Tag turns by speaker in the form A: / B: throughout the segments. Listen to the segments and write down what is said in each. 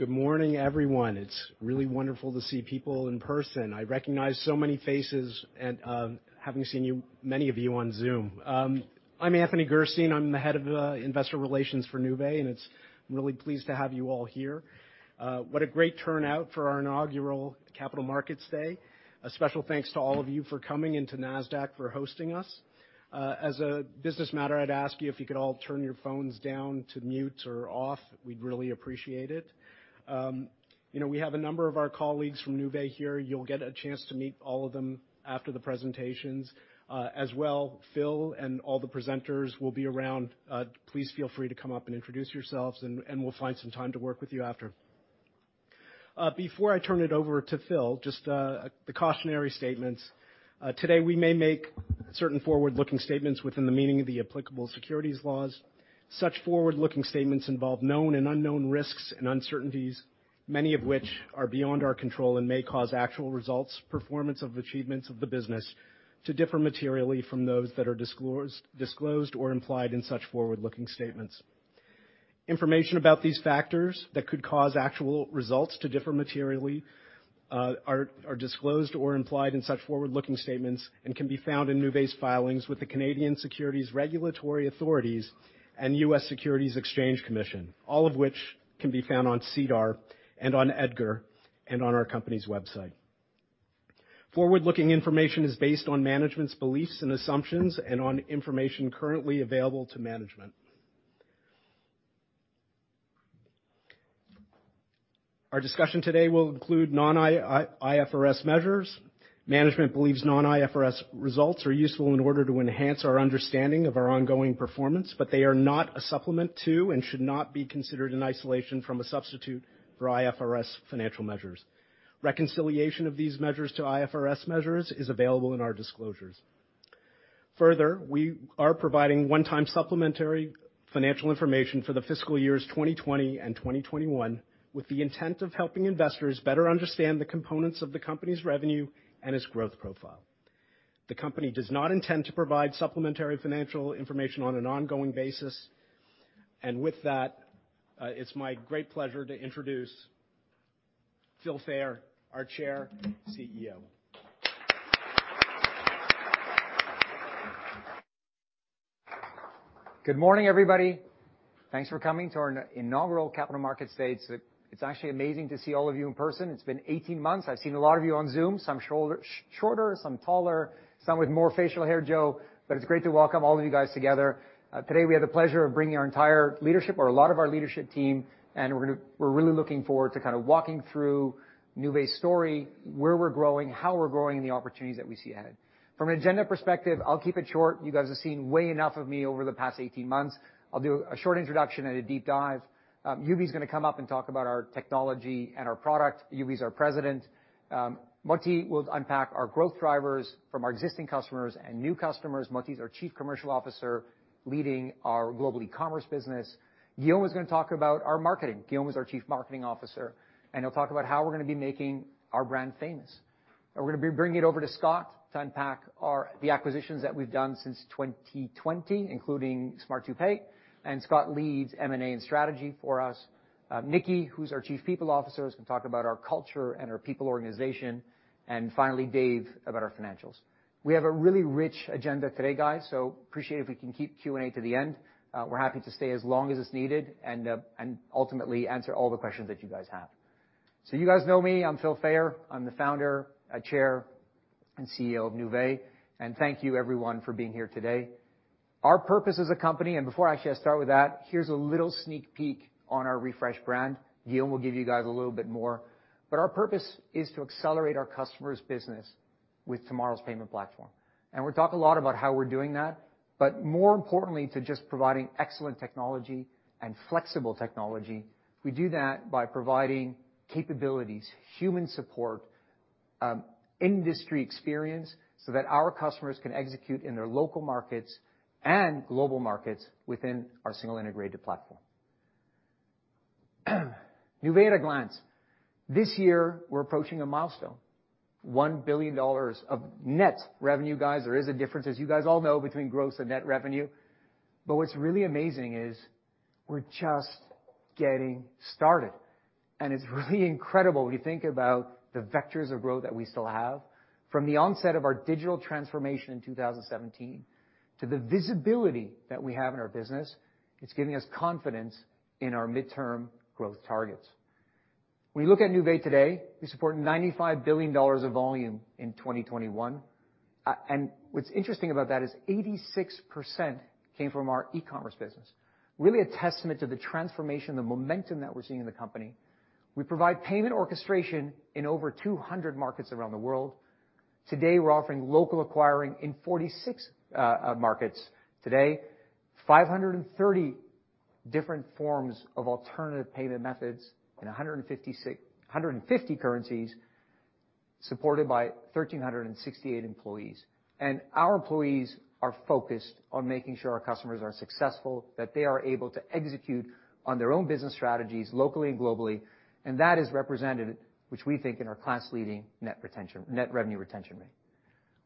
A: Good morning, everyone. It's really wonderful to see people in person. I recognize so many faces and having seen many of you on Zoom. I'm Anthony Gerstein, I'm the Head of Investor Relations for Nuvei, and I'm really pleased to have you all here. What a great turnout for our inaugural Capital Markets Day. A special thanks to all of you for coming and to Nasdaq for hosting us. As a business matter, I'd ask you if you could all turn your phones down to mute or off. We'd really appreciate it. You know, we have a number of our colleagues from Nuvei here. You'll get a chance to meet all of them after the presentations. As well, Phil and all the presenters will be around. Please feel free to come up and introduce yourselves, and we'll find some time to work with you after. Before I turn it over to Phil, just the cautionary statements. Today, we may make certain forward-looking statements within the meaning of the applicable securities laws. Such forward-looking statements involve known and unknown risks and uncertainties, many of which are beyond our control and may cause actual results, performance, or achievements of the business to differ materially from those that are disclosed or implied in such forward-looking statements. Information about these factors that could cause actual results to differ materially are disclosed or implied in such forward-looking statements and can be found in Nuvei's filings with the Canadian Securities Regulatory Authorities and U.S. Securities and Exchange Commission, all of which can be found on SEDAR and on EDGAR and on our company's website. Forward-looking information is based on management's beliefs and assumptions and on information currently available to management. Our discussion today will include non-IFRS measures. Management believes non-IFRS results are useful in order to enhance our understanding of our ongoing performance, but they are not a supplement to and should not be considered in isolation from a substitute for IFRS financial measures. Reconciliation of these measures to IFRS measures is available in our disclosures. Further, we are providing one-time supplementary financial information for the fiscal years 2020 and 2021 with the intent of helping investors better understand the components of the company's revenue and its growth profile. The company does not intend to provide supplementary financial information on an ongoing basis. With that, it's my great pleasure to introduce Phil Fayer, our Chair, CEO.
B: Good morning, everybody. Thanks for coming to our inaugural Capital Markets Day. It's actually amazing to see all of you in person. It's been 18 months. I've seen a lot of you on Zoom, some shorter, some taller, some with more facial hair, Joe, but it's great to welcome all of you guys together. Today we have the pleasure of bringing our entire leadership or a lot of our leadership team, and we're really looking forward to kind of walking through Nuvei's story, where we're growing, how we're growing, and the opportunities that we see ahead. From an agenda perspective, I'll keep it short. You guys have seen way enough of me over the past 18 months. I'll do a short introduction and a deep dive. Yuvi's gonna come up and talk about our technology and our product. Yuvi is our President. Motie will unpack our growth drivers from our existing customers and new customers. Motie is our Chief Commercial Officer, leading our global e-commerce business. Guillaume is gonna talk about our marketing. Guillaume is our Chief Marketing Officer, and he'll talk about how we're gonna be making our brand famous. We're gonna be bringing it over to Scott to unpack the acquisitions that we've done since 2020, including Smart2Pay, and Scott leads M&A and strategy for us. Nikki, who's our Chief People Officer, is gonna talk about our culture and our people organization, and finally, Dave, about our financials. We have a really rich agenda today, guys, so appreciate it if we can keep Q and A to the end. We're happy to stay as long as it's needed and ultimately answer all the questions that you guys have. You guys know me. I'm Phil Fayer. I'm the Founder, Chair, and CEO of Nuvei. Thank you everyone for being here today. Our purpose as a company, and before actually I start with that, here's a little sneak peek on our refreshed brand. Guillaume will give you guys a little bit more. Our purpose is to accelerate our customers' business with tomorrow's payment platform. We talk a lot about how we're doing that, but more importantly to just providing excellent technology and flexible technology. We do that by providing capabilities, human support, industry experience so that our customers can execute in their local markets and global markets within our single integrated platform. Nuvei at a glance. This year, we're approaching a milestone, $1 billion of net revenue, guys. There is a difference, as you guys all know, between gross and net revenue. What's really amazing is we're just getting started, and it's really incredible when you think about the vectors of growth that we still have. From the onset of our digital transformation in 2017 to the visibility that we have in our business, it's giving us confidence in our midterm growth targets. When you look at Nuvei today, we support $95 billion of volume in 2021. And what's interesting about that is 86% came from our e-commerce business. Really a testament to the transformation, the momentum that we're seeing in the company. We provide payment orchestration in over 200 markets around the world. Today, we're offering local acquiring in 46 markets. Today, 530 different forms of alternative payment methods in 150 currencies supported by 1,368 employees. Our employees are focused on making sure our customers are successful, that they are able to execute on their own business strategies locally and globally. That is represented, which we think in our class-leading net revenue retention rate.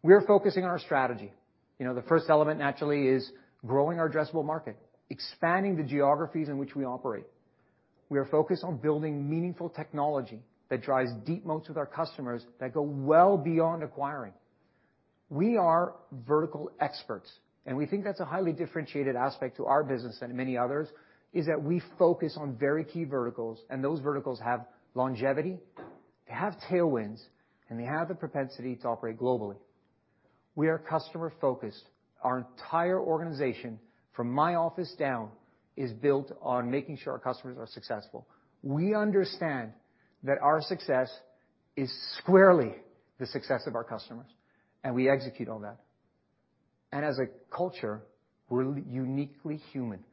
B: We're focusing on our strategy. You know, the first element naturally is growing our addressable market, expanding the geographies in which we operate. We are focused on building meaningful technology that drives deep moats with our customers that go well beyond acquiring. We are vertical experts, and we think that's a highly differentiated aspect to our business than many others, is that we focus on very key verticals, and those verticals have longevity, they have tailwinds, and they have the propensity to operate globally. We are customer-focused. Our entire organization, from my office down, is built on making sure our customers are successful. We understand that our success is squarely the success of our customers, and we execute on that. As a culture, we're uniquely human.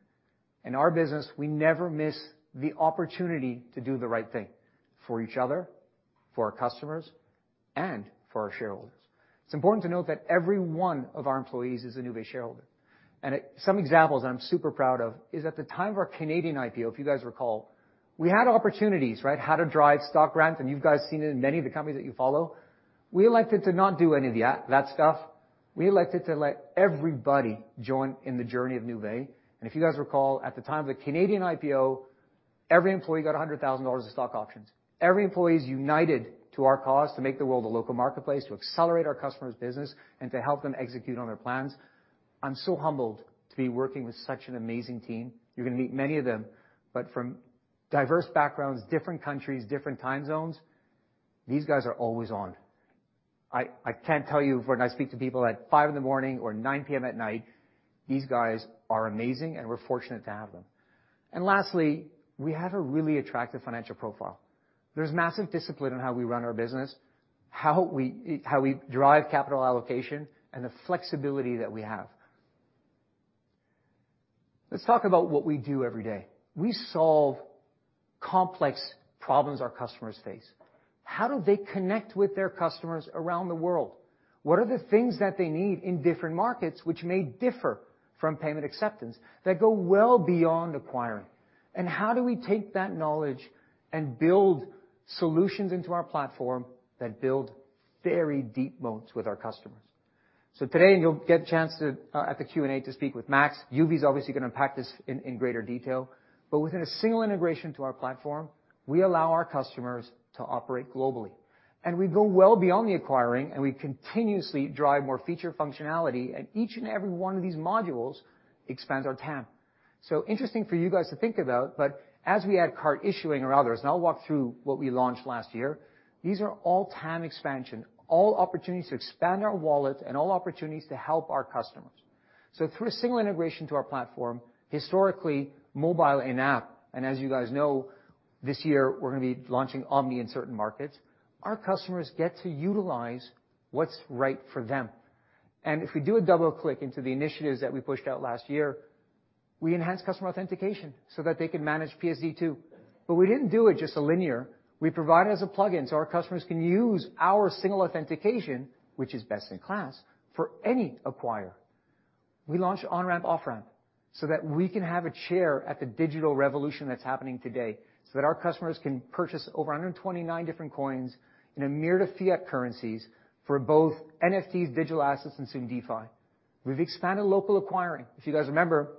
B: In our business, we never miss the opportunity to do the right thing for each other, for our customers, and for our shareholders. It's important to note that every one of our employees is a Nuvei shareholder. Some examples I'm super proud of is at the time of our Canadian IPO, if you guys recall, we had opportunities, right? How to drive stock grants, and you guys seen it in many of the companies that you follow. We elected to not do any of that stuff. We elected to let everybody join in the journey of Nuvei. If you guys recall, at the time of the Canadian IPO, every employee got $100,000 in stock options. Every employee is united to our cause to make the world a local marketplace, to accelerate our customers' business, and to help them execute on their plans. I'm so humbled to be working with such an amazing team. You're gonna meet many of them. From diverse backgrounds, different countries, different time zones, these guys are always on. I can't tell you, when I speak to people at 5:00 A.M. or 9:00 P.M. at night, these guys are amazing, and we're fortunate to have them. Lastly, we have a really attractive financial profile. There's massive discipline in how we run our business, how we derive capital allocation, and the flexibility that we have. Let's talk about what we do every day. We solve complex problems our customers face. How do they connect with their customers around the world? What are the things that they need in different markets which may differ from payment acceptance that go well beyond acquiring? How do we take that knowledge and build solutions into our platform that build very deep moats with our customers? Today, and you'll get a chance to, at the Q and A to speak with Max. Yuvi is obviously gonna unpack this in greater detail. Within a single integration to our platform, we allow our customers to operate globally. We go well beyond the acquiring, and we continuously drive more feature functionality in each and every one of these modules expands our TAM. Interesting for you guys to think about, but as we add card issuing or others, and I'll walk through what we launched last year, these are all TAM expansion, all opportunities to expand our wallet and all opportunities to help our customers. Through a single integration to our platform, historically, mobile in-app, and as you guys know, this year, we're gonna be launching omni in certain markets, our customers get to utilize what's right for them. If we do a double click into the initiatives that we pushed out last year, we enhanced customer authentication so that they can manage PSD2. We didn't do it just a linear. We provide it as a plugin, so our customers can use our single authentication, which is best in class, for any acquirer. We launched on-ramp/off-ramp so that we can have a chair at the digital revolution that's happening today, so that our customers can purchase over 129 different coins in a myriad of fiat currencies for both NFTs, digital assets, and soon DeFi. We've expanded local acquiring. If you guys remember,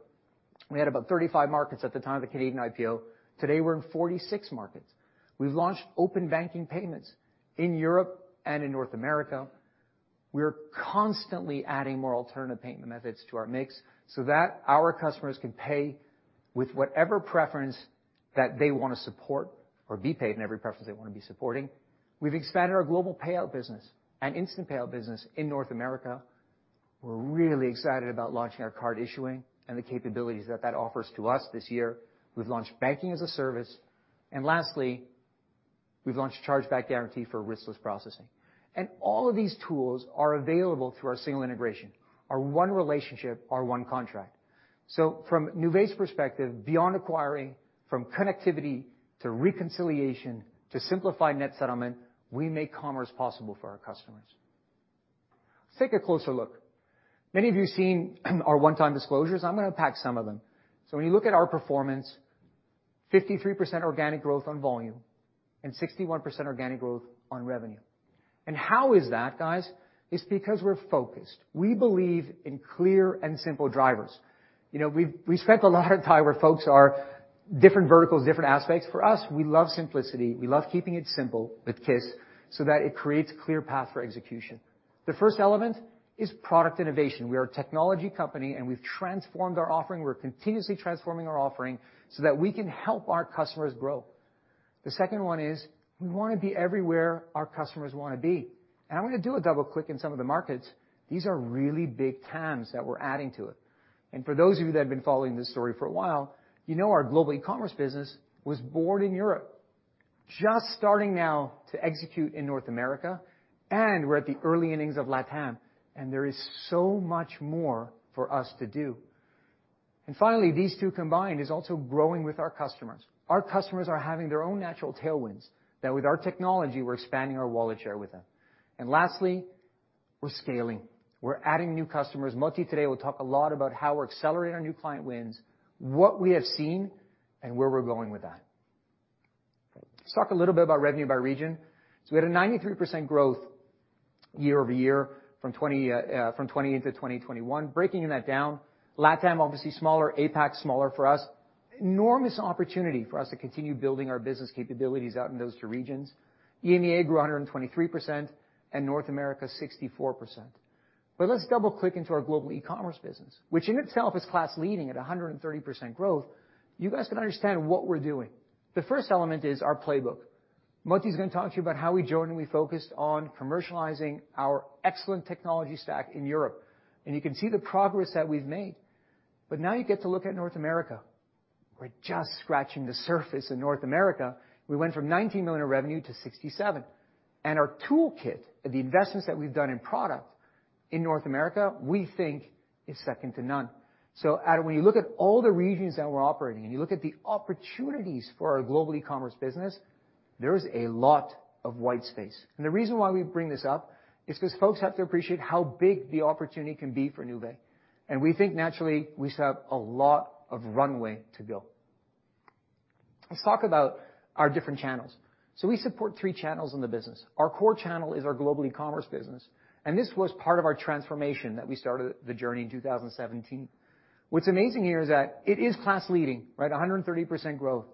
B: we had about 35 markets at the time of the Canadian IPO. Today, we're in 46 markets. We've launched open banking payments in Europe and in North America. We are constantly adding more alternative payment methods to our mix so that our customers can pay with whatever preference that they wanna support or be paid in every preference they wanna be supporting. We've expanded our global payout business and instant payout business in North America. We're really excited about launching our card issuing and the capabilities that that offers to us this year. We've launched banking-as-a-service. Lastly, we've launched chargeback guarantee for riskless processing. All of these tools are available through our single integration, our one relationship, our one contract. From Nuvei's perspective, beyond acquiring, from connectivity to reconciliation to simplified net settlement, we make commerce possible for our customers. Let's take a closer look. Many of you seen our one-time disclosures. I'm gonna unpack some of them. When you look at our performance, 53% organic growth on volume and 61% organic growth on revenue. How is that, guys? It's because we're focused. We believe in clear and simple drivers. You know, we've spent a lot of time with folks in different verticals, different aspects. For us, we love simplicity. We love keeping it simple, with KISS, so that it creates a clear path for execution. The first element is product innovation. We are a technology company, and we've transformed our offering. We're continuously transforming our offering so that we can help our customers grow. The second one is we wanna be everywhere our customers wanna be. I'm gonna do a double click in some of the markets. These are really big TAMs that we're adding to it. For those of you that have been following this story for a while, you know our global e-commerce business was born in Europe, just starting now to execute in North America, and we're at the early innings of LATAM, and there is so much more for us to do. Finally, these two combined is also growing with our customers. Our customers are having their own natural tailwinds that with our technology, we're expanding our wallet share with them. Lastly, we're scaling. We're adding new customers. Motie today will talk a lot about how we're accelerating our new client wins, what we have seen, and where we're going with that. Let's talk a little bit about revenue by region. We had a 93% growth year-over-year from 2020 into 2021. Breaking that down, LATAM obviously smaller, APAC smaller for us. Enormous opportunity for us to continue building our business capabilities out in those two regions. EMEA grew 123% and North America 64%. Let's double-click into our global e-commerce business, which in itself is class-leading at a 130% growth. You guys can understand what we're doing. The first element is our playbook. Motie is gonna talk to you about how we jointly focused on commercializing our excellent technology stack in Europe, and you can see the progress that we've made. Now you get to look at North America. We're just scratching the surface in North America. We went from $19 million of revenue to $67 million, and our toolkit, the investments that we've done in product in North America, we think is second to none. Adam, when you look at all the regions that we're operating, and you look at the opportunities for our global e-commerce business, there is a lot of white space. The reason why we bring this up is because folks have to appreciate how big the opportunity can be for Nuvei. We think naturally we still have a lot of runway to go. Let's talk about our different channels. We support three channels in the business. Our core channel is our global e-commerce business, and this was part of our transformation that we started the journey in 2017. What's amazing here is that it is class leading, right, 130% growth.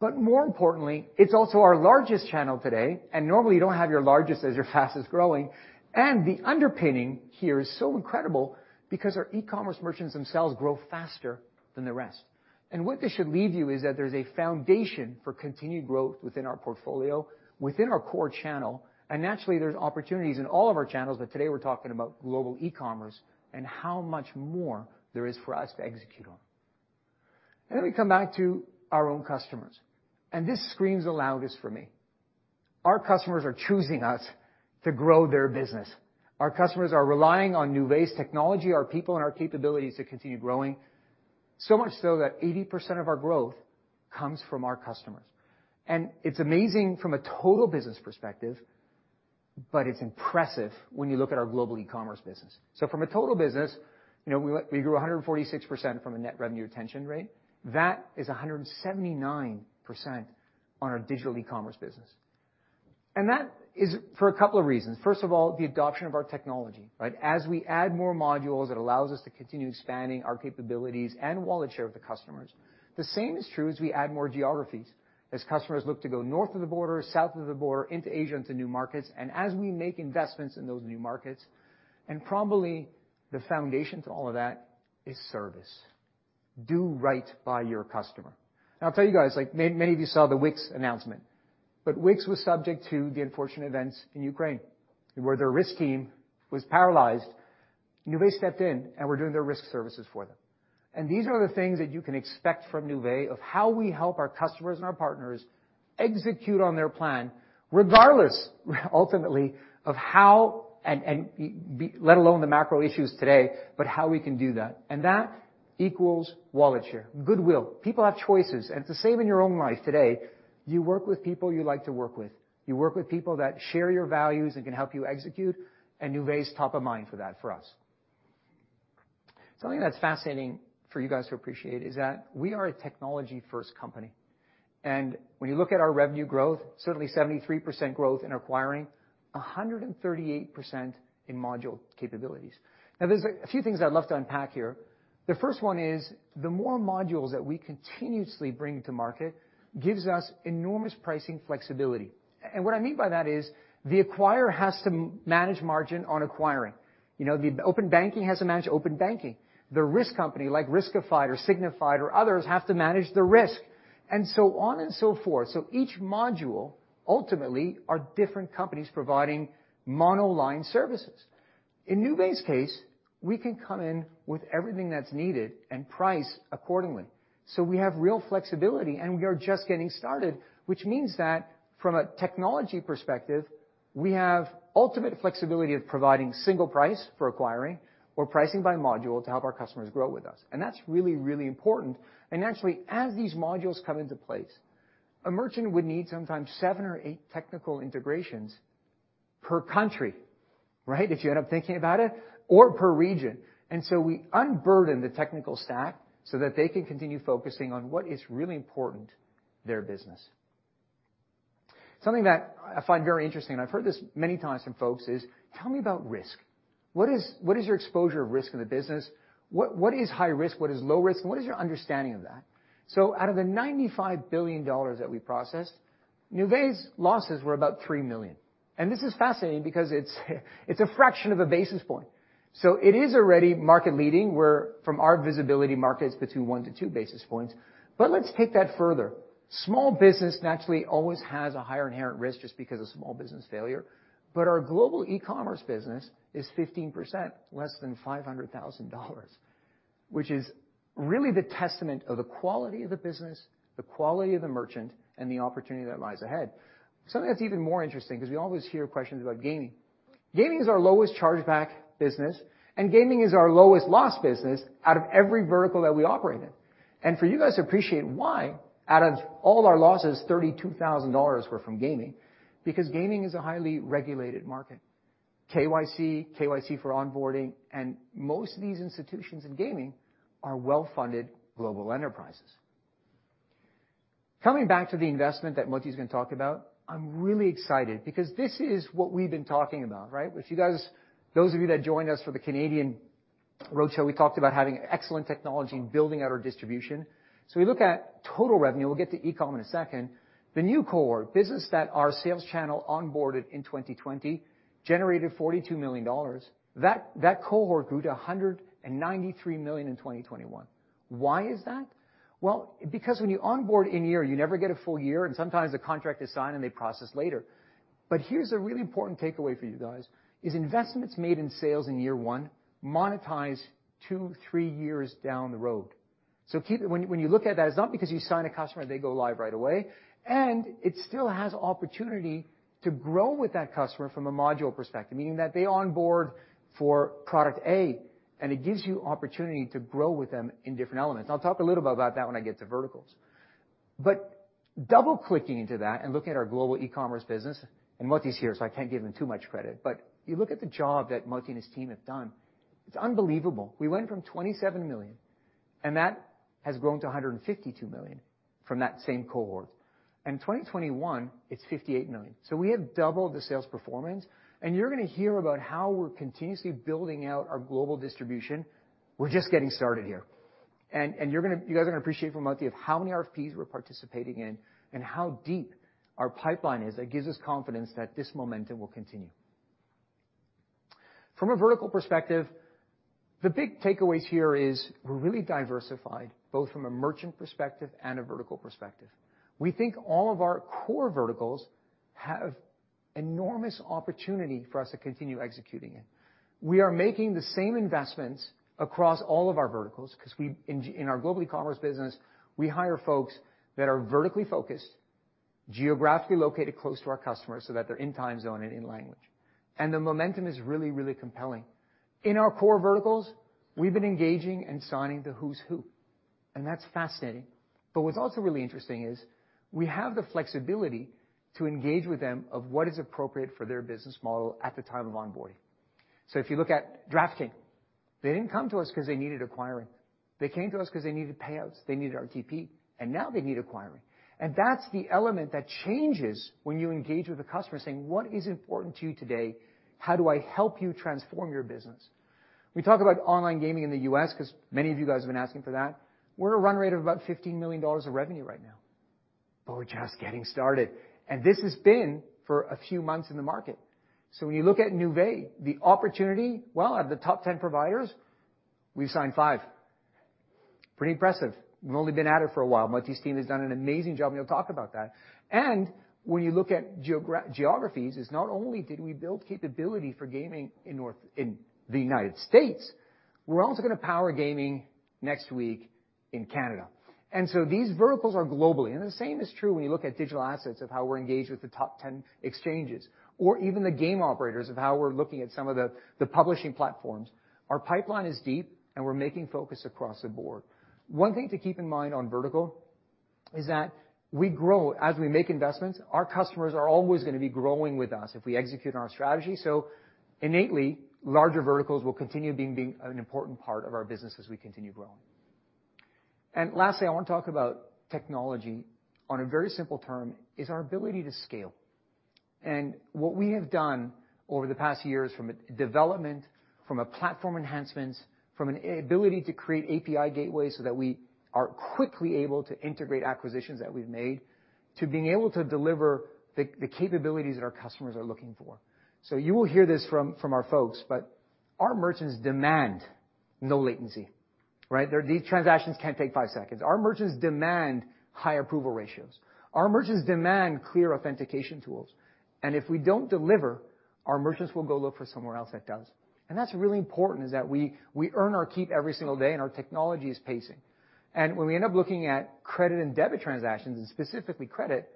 B: More importantly, it's also our largest channel today, and normally, you don't have your largest as your fastest-growing. The underpinning here is so incredible because our e-commerce merchants themselves grow faster than the rest. What this should leave you is that there's a foundation for continued growth within our portfolio, within our core channel. Naturally, there's opportunities in all of our channels, but today we're talking about global e-commerce and how much more there is for us to execute on. Then we come back to our own customers, and this screams the loudest for me. Our customers are choosing us to grow their business. Our customers are relying on Nuvei's technology, our people, and our capabilities to continue growing. So much so that 80% of our growth comes from our customers. It's amazing from a total business perspective, but it's impressive when you look at our global e-commerce business. From a total business, you know, we grew 146% from a net revenue retention rate. That is 179% on our digital e-commerce business. That is for a couple of reasons. First of all, the adoption of our technology, right? As we add more modules, it allows us to continue expanding our capabilities and wallet share with the customers. The same is true as we add more geographies as customers look to go north of the border, south of the border, into Asia, into new markets, and as we make investments in those new markets. Probably the foundation to all of that is service. Do right by your customer. Now, I'll tell you guys, like many of you saw the Wix announcement, but Wix was subject to the unfortunate events in Ukraine, where their risk team was paralyzed. Nuvei stepped in, and we're doing their risk services for them. These are the things that you can expect from Nuvei of how we help our customers and our partners execute on their plan, regardless ultimately of how, let alone the macro issues today, but how we can do that. That equals wallet share, goodwill. People have choices, and it's the same in your own life today. You work with people you like to work with, you work with people that share your values and can help you execute, and Nuvei is top of mind for that for us. Something that's fascinating for you guys to appreciate is that we are a technology-first company. When you look at our revenue growth, certainly 73% growth in acquiring, 138% in module capabilities. Now there's a few things I'd love to unpack here. The first one is the more modules that we continuously bring to market gives us enormous pricing flexibility. And what I mean by that is the acquirer has to manage margin on acquiring. You know, the open banking has to manage open banking. The risk company like Riskified or Signifyd or others have to manage the risk and so on and so forth. So each module ultimately are different companies providing monoline services. In Nuvei's case, we can come in with everything that's needed and price accordingly. We have real flexibility, and we are just getting started, which means that from a technology perspective, we have ultimate flexibility of providing single price for acquiring or pricing by module to help our customers grow with us. That's really, really important. Naturally, as these modules come into place, a merchant would need sometimes seven or eight technical integrations per country, right, if you end up thinking about it or per region. We unburden the technical stack so that they can continue focusing on what is really important to their business. Something that I find very interesting, and I've heard this many times from folks, is tell me about risk. What is, what is your exposure of risk in the business? What, what is high risk, what is low risk, and what is your understanding of that? Out of the $95 billion that we processed, Nuvei's losses were about $3 million. This is fascinating because it's a fraction of a basis point. It is already market leading, where from our visibility market, it's between 1-2 basis points. Let's take that further. Small business naturally always has a higher inherent risk just because of small business failure. Our global e-commerce business is 15%, less than $500,000, which is really the testament of the quality of the business, the quality of the merchant, and the opportunity that lies ahead. Something that's even more interesting, because we always hear questions about gaming. Gaming is our lowest chargeback business, and gaming is our lowest loss business out of every vertical that we operate in. For you guys to appreciate why, out of all our losses, $32,000 were from gaming, because gaming is a highly regulated market. KYC for onboarding, and most of these institutions in gaming are well-funded global enterprises. Coming back to the investment that Motie is gonna talk about, I'm really excited because this is what we've been talking about, right? If you guys, those of you that joined us for the Canadian roadshow, we talked about having excellent technology and building out our distribution. We look at total revenue. We'll get to e-com in a second. The new cohort, business that our sales channel onboarded in 2020, generated $42 million. That cohort grew to $193 million in 2021. Why is that? Well, because when you onboard in year, you never get a full year, and sometimes the contract is signed, and they process later. Here's a really important takeaway for you guys, is investments made in sales in year one monetize two, three years down the road. When you look at that, it's not because you sign a customer, they go live right away. It still has opportunity to grow with that customer from a module perspective, meaning that they onboard for product A, and it gives you opportunity to grow with them in different elements. I'll talk a little bit about that when I get to verticals. Double-clicking into that and looking at our global e-commerce business, and Motie is here, so I can't give him too much credit, but you look at the job that Motie and his team have done, it's unbelievable. We went from $27 million, and that has grown to $152 million from that same cohort. In 2021, it's $58 million. We have doubled the sales performance, and you're gonna hear about how we're continuously building out our global distribution. We're just getting started here. You guys are gonna appreciate from Motie how many RFPs we're participating in and how deep our pipeline is. That gives us confidence that this momentum will continue. From a vertical perspective, the big takeaways here is we're really diversified, both from a merchant perspective and a vertical perspective. We think all of our core verticals have enormous opportunity for us to continue executing it. We are making the same investments across all of our verticals 'cause we in our global e-commerce business, we hire folks that are vertically focused, geographically located close to our customers so that they're in time zone and in language. The momentum is really, really compelling. In our core verticals, we've been engaging and signing the who's who, and that's fascinating. What's also really interesting is we have the flexibility to engage with them on what is appropriate for their business model at the time of onboarding. If you look at DraftKings, they didn't come to us because they needed acquiring. They came to us because they needed payouts, they needed RTP, and now they need acquiring. That's the element that changes when you engage with a customer saying, "What is important to you today? How do I help you transform your business?" We talk about online gaming in the U.S. because many of you guys have been asking for that. We're a run rate of about $15 million of revenue right now, but we're just getting started. This has been for a few months in the market. When you look at Nuvei, the opportunity, well, out of the top 10 providers, we've signed 5. Pretty impressive. We've only been at it for a while. Motie's team has done an amazing job, and he'll talk about that. When you look at geographies, it's not only did we build capability for gaming in the United States, we're also gonna power gaming next week in Canada. These verticals are globally. The same is true when you look at digital assets of how we're engaged with the top ten exchanges or even the game operators of how we're looking at some of the publishing platforms. Our pipeline is deep, and we're making focus across the board. One thing to keep in mind on vertical is that we grow. As we make investments, our customers are always gonna be growing with us if we execute on our strategy. Innately, larger verticals will continue being an important part of our business as we continue growing. Lastly, I want to talk about technology on a very simple term, is our ability to scale. What we have done over the past years from a development, from a platform enhancements, from an ability to create API gateways so that we are quickly able to integrate acquisitions that we've made to being able to deliver the capabilities that our customers are looking for. You will hear this from our folks, but our merchants demand no latency, right? These transactions can't take five seconds. Our merchants demand high approval ratios. Our merchants demand clear authentication tools. If we don't deliver, our merchants will go look for somewhere else that does. That's really important is that we earn our keep every single day, and our technology is pacing. When we end up looking at credit and debit transactions, and specifically credit,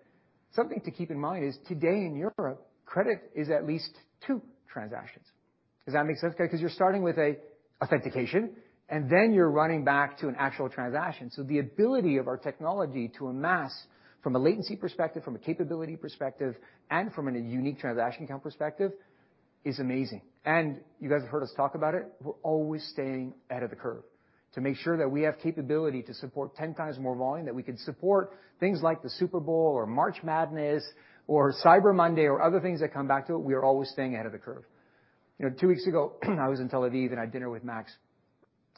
B: something to keep in mind is today in Europe, credit is at least two transactions. Does that make sense? Okay. Because you're starting with an authentication, and then you're running back to an actual transaction. The ability of our technology to amass from a latency perspective, from a capability perspective, and from a unique transaction count perspective is amazing. You guys have heard us talk about it. We're always staying ahead of the curve to make sure that we have capability to support 10 times more volume, that we could support things like the Super Bowl or March Madness or Cyber Monday or other things that come back to it. We are always staying ahead of the curve. You know, two weeks ago, I was in Tel Aviv, and I had dinner with Max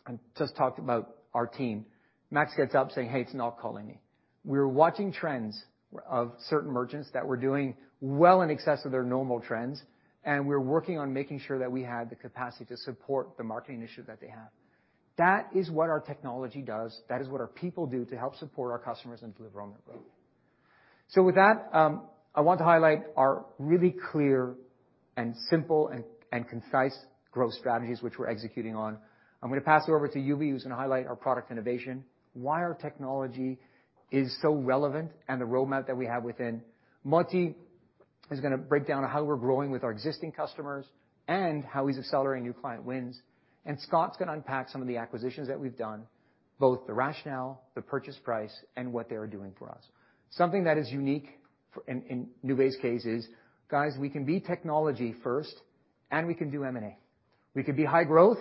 B: and just talked about our team. Max gets up saying, "Hey, it's not calling me." We're watching trends of certain merchants that we're doing well in excess of their normal trends, and we're working on making sure that we have the capacity to support the marketing issue that they have. That is what our technology does. That is what our people do to help support our customers and deliver on their growth. With that, I want to highlight our really clear and simple and concise growth strategies, which we're executing on. I'm gonna pass it over to Yuval, who's gonna highlight our product innovation, why our technology is so relevant, and the roadmap that we have within. Motie is gonna break down how we're growing with our existing customers and how he's accelerating new client wins. Scott's gonna unpack some of the acquisitions that we've done, both the rationale, the purchase price, and what they are doing for us. Something that is unique for in Nuvei's case is, guys, we can be technology first, and we can do M&A. We can be high growth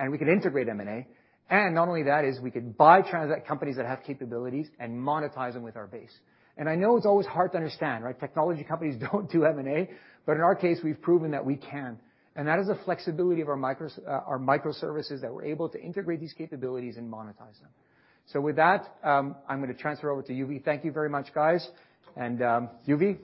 B: and we can integrate M&A. Not only that is we can buy transact companies that have capabilities and monetize them with our base. I know it's always hard to understand, right? Technology companies don't do M&A, but in our case, we've proven that we can. That is the flexibility of our microservices, that we're able to integrate these capabilities and monetize them. With that, I'm gonna transfer over to Yuvi. Thank you very much, guys. Yuvi.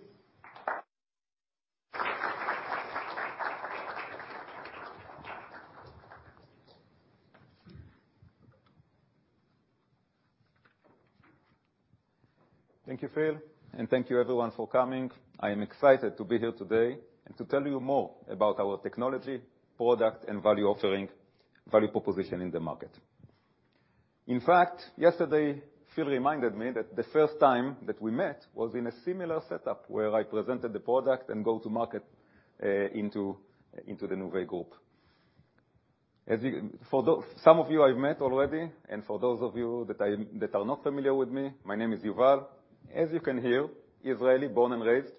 C: Thank you, Phil, and thank you everyone for coming. I am excited to be here today and to tell you more about our technology, product and value offering, value proposition in the market. In fact, yesterday, Phil reminded me that the first time that we met was in a similar setup where I presented the product and go to market into the Nuvei Group. For those of you, I've met already, and for those of you that are not familiar with me, my name is Yuval. As you can hear, Israeli, born and raised,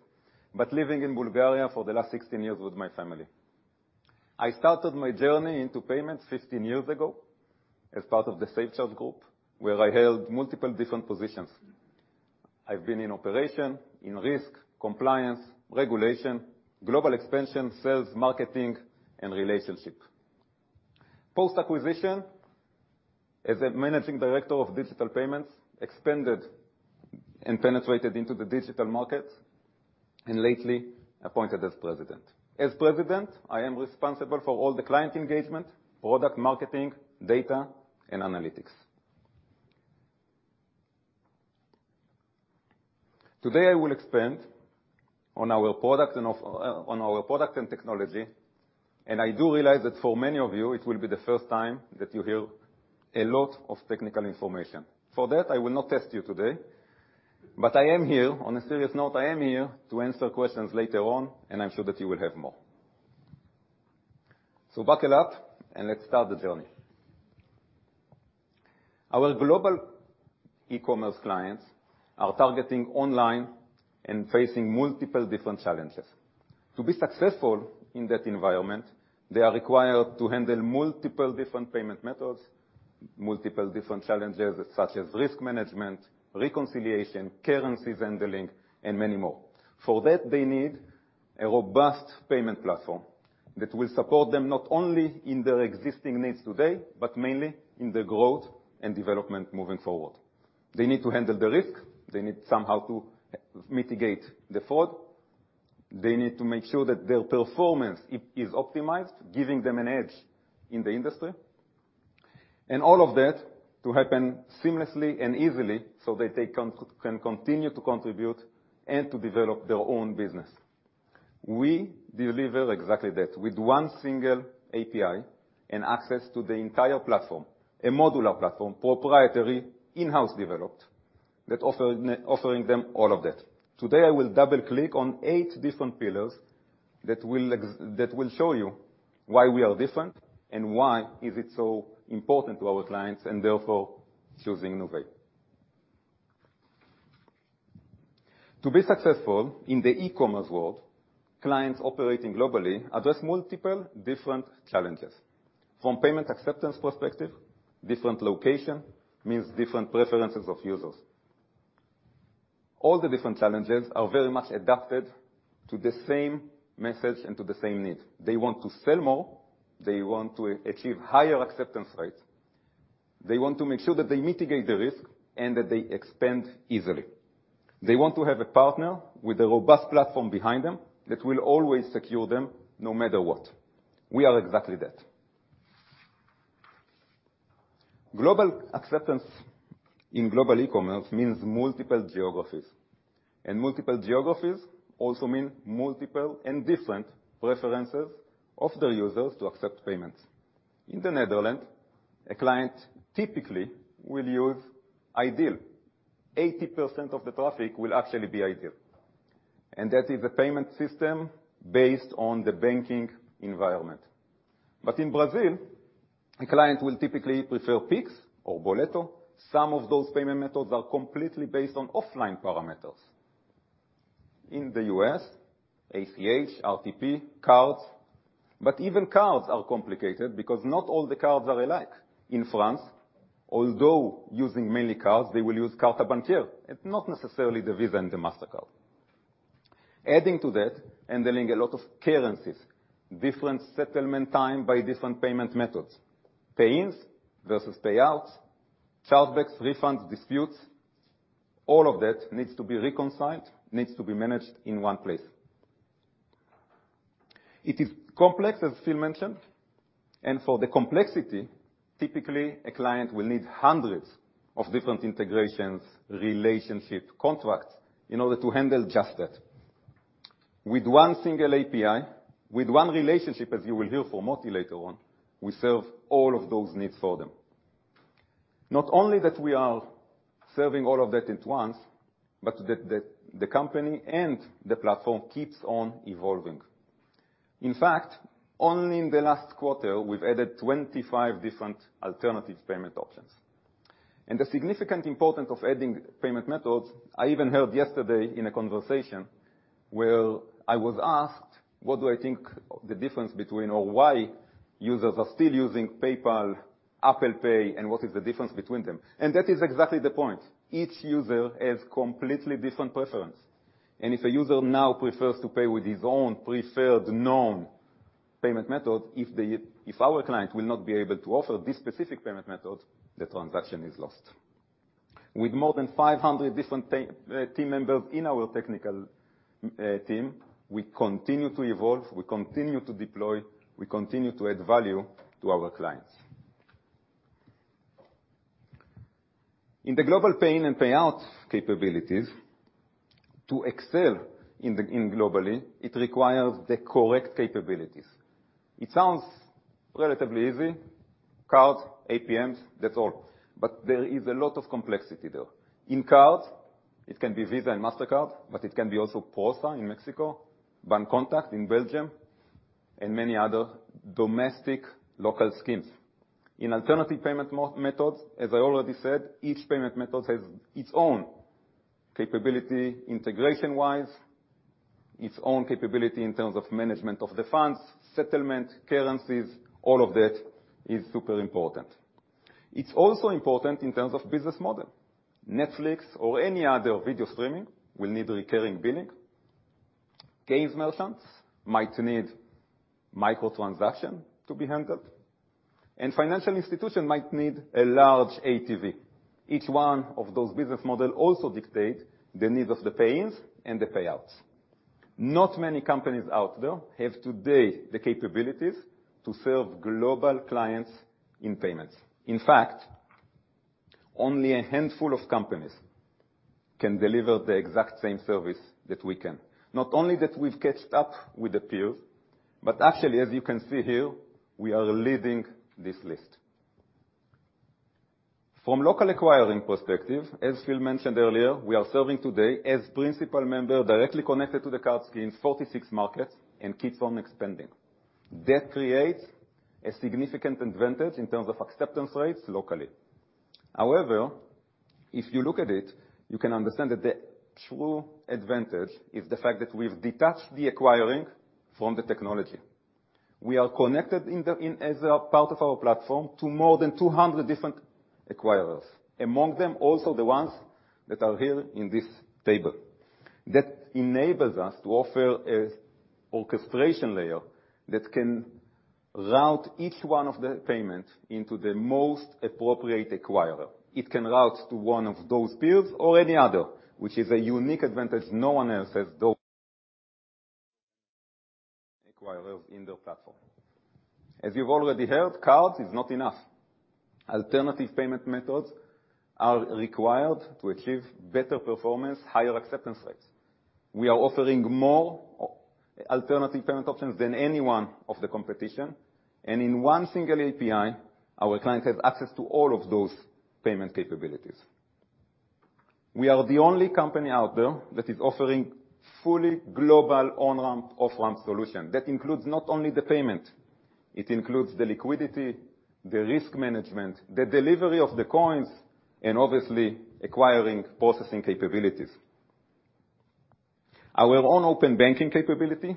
C: but living in Bulgaria for the last 16 years with my family. I started my journey into payments 15 years ago as part of the SafeCharge Group, where I held multiple different positions. I've been in operation, in risk, compliance, regulation, global expansion, sales, marketing and relationship. Post-acquisition, as a managing director of digital payments, I expanded and penetrated into the digital market, and lately appointed as President. As President, I am responsible for all the client engagement, product marketing, data and analytics. Today, I will expand on our product and technology, and I do realize that for many of you, it will be the first time that you hear a lot of technical information. For that, I will not test you today, but I am here, on a serious note, I am here to answer questions later on, and I'm sure that you will have more. Buckle up, and let's start the journey. Our global e-commerce clients are targeting online and facing multiple different challenges. To be successful in that environment, they are required to handle multiple different payment methods, multiple different challenges, such as risk management, reconciliation, currencies handling, and many more. For that, they need a robust payment platform that will support them not only in their existing needs today, but mainly in the growth and development moving forward. They need to handle the risk, they need somehow to mitigate the fraud, they need to make sure that their performance is optimized, giving them an edge in the industry, and all of that to happen seamlessly and easily so that they can continue to contribute and to develop their own business. We deliver exactly that with one single API and access to the entire platform, a modular platform, proprietary, in-house developed that offers them all of that. Today, I will double-click on eight different pillars that will show you why we are different and why is it so important to our clients and therefore choosing Nuvei. To be successful in the e-commerce world, clients operating globally address multiple different challenges. From payment acceptance perspective, different location means different preferences of users. All the different challenges are very much adapted to the same message and to the same need. They want to sell more, they want to achieve higher acceptance rates, they want to make sure that they mitigate the risk, and that they expand easily. They want to have a partner with a robust platform behind them that will always secure them no matter what. We are exactly that. Global acceptance in global e-commerce means multiple geographies. Multiple geographies also mean multiple and different preferences of the users to accept payments. In the Netherlands, a client typically will use iDEAL. 80% of the traffic will actually be iDEAL. That is a payment system based on the banking environment. In Brazil, a client will typically prefer Pix or Boleto. Some of those payment methods are completely based on offline parameters. In the U.S., ACH, RTP, cards, but even cards are complicated because not all the cards are alike. In France, although using mainly cards, they will use Cartes Bancaires, and not necessarily the Visa and the Mastercard. Adding to that, handling a lot of currencies, different settlement time by different payment methods, pay-ins versus payouts, chargebacks, refunds, disputes, all of that needs to be reconciled, needs to be managed in one place. It is complex, as Phil mentioned, and for the complexity, typically a client will need hundreds of different integrations, relationship contracts in order to handle just that. With one single API, with one relationship, as you will hear from Motie later on, we serve all of those needs for them. Not only that we are serving all of that at once, but the company and the platform keeps on evolving. In fact, only in the last quarter, we've added 25 different alternative payment options. The significant importance of adding payment methods, I even heard yesterday in a conversation where I was asked what do I think the difference between or why users are still using PayPal, Apple Pay, and what is the difference between them. That is exactly the point. Each user has completely different preference. If a user now prefers to pay with his own preferred known payment method, if our client will not be able to offer this specific payment method, the transaction is lost. With more than 500 different payment team members in our technical team, we continue to evolve, we continue to deploy, we continue to add value to our clients. In the global payment and payout capabilities, to excel globally, it requires the correct capabilities. It sounds relatively easy, cards, APMs, that's all. But there is a lot of complexity there. In cards, it can be Visa and Mastercard, but it can be also PROSA in Mexico, Bancontact in Belgium, and many other domestic local schemes. In alternative payment methods, as I already said, each payment method has its own capability integration-wise, its own capability in terms of management of the funds, settlement, currencies, all of that is super important. It's also important in terms of business model. Netflix or any other video streaming will need recurring billing. Games merchants might need micro transaction to be handled. Financial institution might need a large ATV. Each one of those business models also dictates the need of the pay-ins and the payouts. Not many companies out there have today the capabilities to serve global clients in payments. In fact, only a handful of companies can deliver the exact same service that we can. Not only that we've caught up with the peers, but actually, as you can see here, we are leading this list. From local acquiring perspective, as Phil mentioned earlier, we are serving today as principal member directly connected to the card scheme, 46 markets and keeps on expanding. That creates a significant advantage in terms of acceptance rates locally. However, if you look at it, you can understand that the true advantage is the fact that we've detached the acquiring from the technology. We are connected as a part of our platform to more than 200 different acquirers. Among them, also the ones that are here in this table. That enables us to offer an orchestration layer that can route each one of the payments into the most appropriate acquirer. It can route to one of those peers or any other, which is a unique advantage no one else has through acquirers in their platform. As you've already heard, cards is not enough. Alternative payment methods are required to achieve better performance, higher acceptance rates. We are offering more alternative payment options than any one of the competition. In one single API, our clients have access to all of those payment capabilities. We are the only company out there that is offering fully global on-ramp, off-ramp solution. That includes not only the payment, it includes the liquidity, the risk management, the delivery of the coins, and obviously acquiring processing capabilities. Our own open banking capability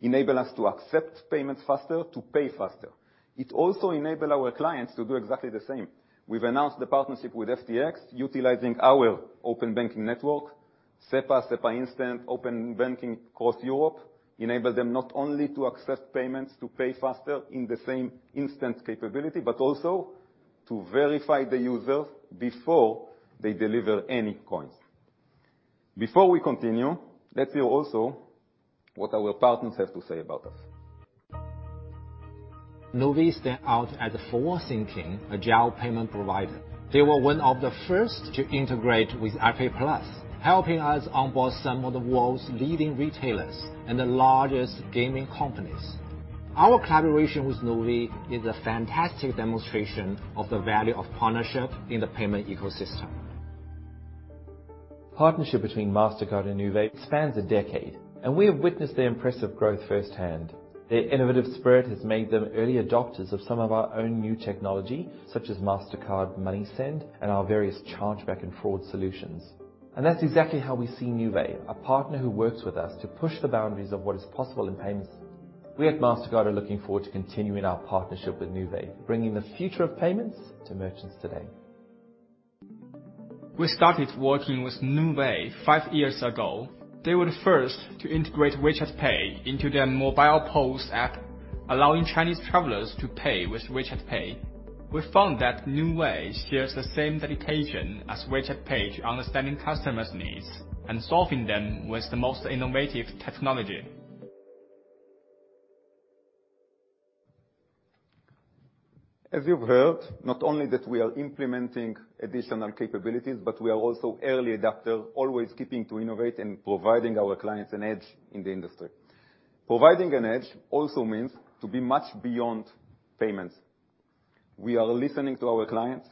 C: enable us to accept payments faster, to pay faster. It also enable our clients to do exactly the same. We've announced the partnership with FTX, utilizing our open banking network, SEPA Instant open banking across Europe, enable them not only to accept payments to pay faster in the same instant capability, but also to verify the user before they deliver any coins. Before we continue, let's hear also what our partners have to say about us.
D: Nuvei stand out a forward-thinking agile payment provider. They. Were one of the first to integrate with Alipay+. Helping us some of the world's retailer and the largest gaming companies. Our collaboration with Nuvei is a fantastic demonstration of the value of partnership in the payment ecosystem.
E: Partnership between Mastercard and Nuvei spans a decade, and we have witnessed their impressive growth firsthand. Their innovative spirit has made them early adopters of some of our own new technology, such as Mastercard MoneySend and our various chargeback and fraud solutions. That's exactly how we see Nuvei, a partner who works with us to push the boundaries of what is possible in payments. We at Mastercard are looking forward to continuing our partnership with Nuvei, bringing the future of payments to merchants today.
F: We started working with Nuvei five years ago. They were the first to integrate WeChat Pay into their mobile POS app, allowing Chinese travelers to pay with WeChat Pay. We found that Nuvei shares the same dedication as WeChat Pay to understanding customers' needs and solving them with the most innovative technology.
C: As you've heard, not only that we are implementing additional capabilities, but we are also early adopter, always keen to innovate and providing our clients an edge in the industry. Providing an edge also means to be much beyond payments. We are listening to our clients,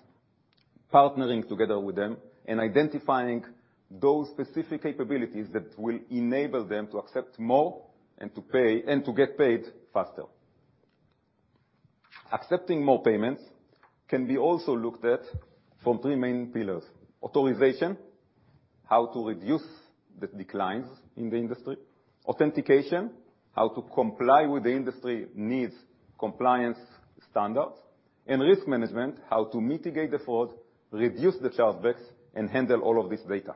C: partnering together with them, and identifying those specific capabilities that will enable them to accept more and to pay, and to get paid faster. Accepting more payments can be also looked at from three main pillars. Authorization, how to reduce the declines in the industry. Authentication, how to comply with the industry needs compliance standards. Risk management, how to mitigate the fraud, reduce the chargebacks, and handle all of this data.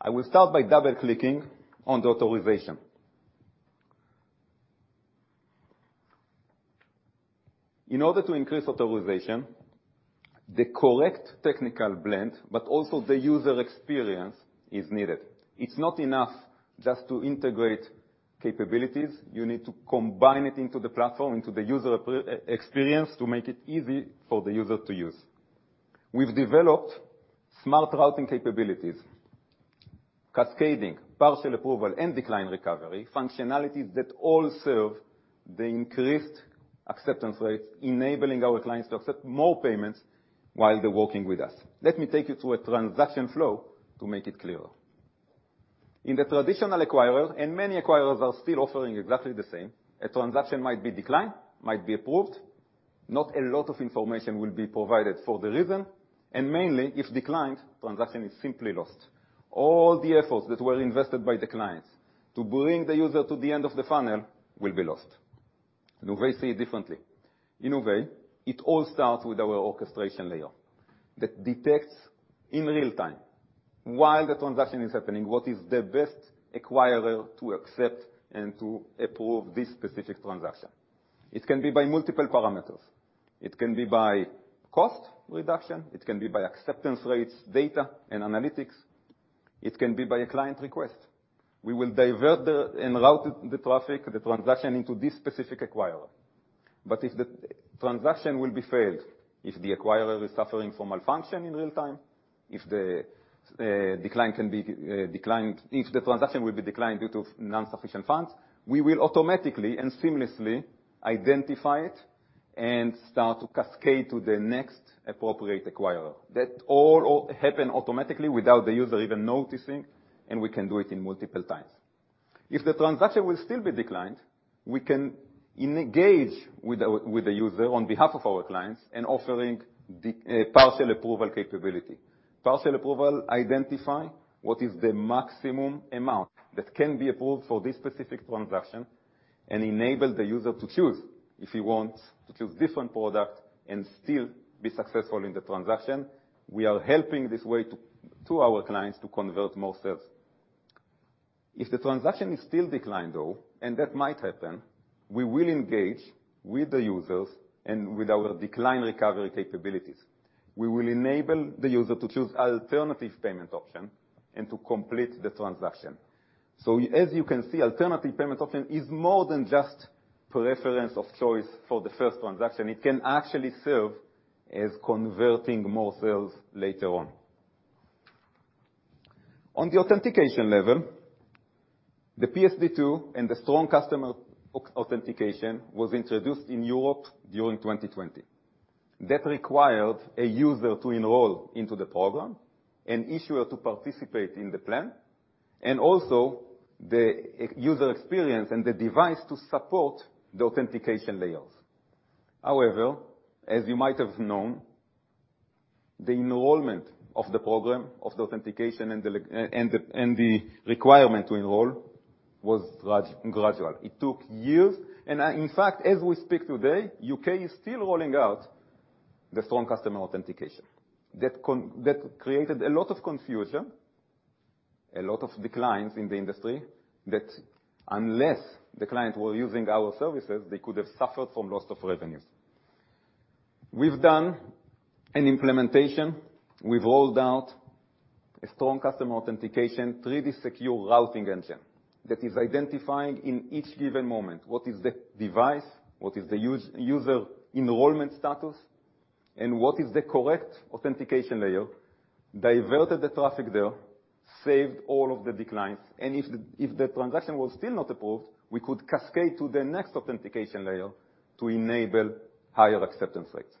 C: I will start by double-clicking on the authorization. In order to increase authorization, the correct technical blend, but also the user experience is needed. It's not enough just to integrate capabilities, you need to combine it into the platform, into the user experience to make it easy for the user to use. We've developed smart routing capabilities, cascading, partial approval, and decline recovery functionalities that all serve the increased acceptance rates, enabling our clients to accept more payments while they're working with us. Let me take you through a transaction flow to make it clearer. In the traditional acquirers, and many acquirers are still offering exactly the same, a transaction might be declined, might be approved. Not a lot of information will be provided for the reason, and mainly if declined, transaction is simply lost. All the efforts that were invested by the clients to bring the user to the end of the funnel will be lost. Nuvei see it differently. In Nuvei, it all starts with our orchestration layer that detects in real time, while the transaction is happening, what is the best acquirer to accept and to approve this specific transaction. It can be by multiple parameters. It can be by cost reduction, it can be by acceptance rates, data and analytics, it can be by a client request. We will divert and route the traffic, the transaction into this specific acquirer. But if the transaction will be failed, if the acquirer is suffering from malfunction in real time. If the transaction will be declined due to non-sufficient funds, we will automatically and seamlessly identify it and start to cascade to the next appropriate acquirer. That all happen automatically without the user even noticing, and we can do it in multiple times. If the transaction will still be declined, we can engage with the user on behalf of our clients in offering partial approval capability. Partial approval identify what is the maximum amount that can be approved for this specific transaction and enable the user to choose if he wants to choose different product and still be successful in the transaction. We are helping this way to our clients to convert more sales. If the transaction is still declined, though, and that might happen, we will engage with the users and with our decline recovery capabilities. We will enable the user to choose alternative payment option and to complete the transaction. As you can see, alternative payment option is more than just preference of choice for the first transaction. It can actually serve as converting more sales later on. On the authentication level, the PSD2 and the strong customer authentication was introduced in Europe during 2020. That required a user to enroll into the program, an issuer to participate in the plan, and also the user experience and the device to support the authentication layers. However, as you might have known, the enrollment of the program, of the authentication and the requirement to enroll was gradual. It took years. In fact, as we speak today, U.K. is still rolling out the strong customer authentication. That created a lot of confusion, a lot of declines in the industry, that unless the client were using our services, they could have suffered from loss of revenues. We've done an implementation. We've rolled out a strong customer authentication, truly secure routing engine that is identifying in each given moment what is the device, what is the user enrollment status, and what is the correct authentication layer, diverted the traffic there, saved all of the declines, and if the transaction was still not approved, we could cascade to the next authentication layer to enable higher acceptance rates.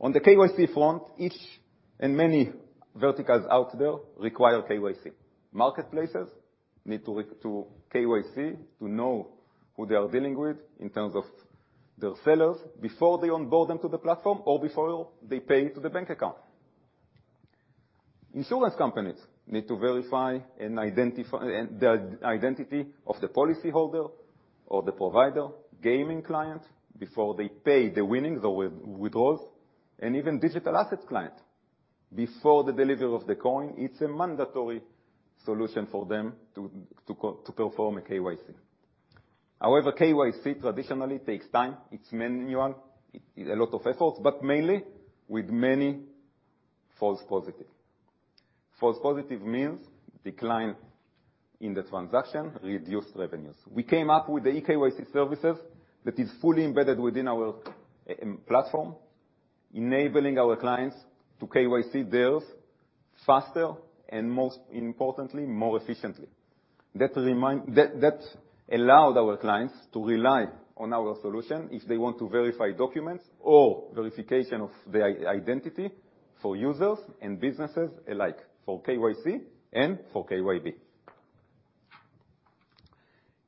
C: On the KYC front, each and many verticals out there require KYC. Marketplaces need to KYC to know who they are dealing with in terms of their sellers before they onboard them to the platform or before they pay into the bank account. Insurance companies need to verify and the identity of the policyholder or the provider, gaming client before they pay the winnings or withdrawals, and even digital assets client. Before the delivery of the coin, it's a mandatory solution for them to perform a KYC. However, KYC traditionally takes time. It's manual, a lot of efforts, but mainly with many false positives. False positives mean decline in the transaction, reduced revenues. We came up with the eKYC services that is fully embedded within our platform, enabling our clients to KYC deals faster and, most importantly, more efficiently. That allowed our clients to rely on our solution if they want to verify documents or verification of the identity for users and businesses alike, for KYC and for KYB.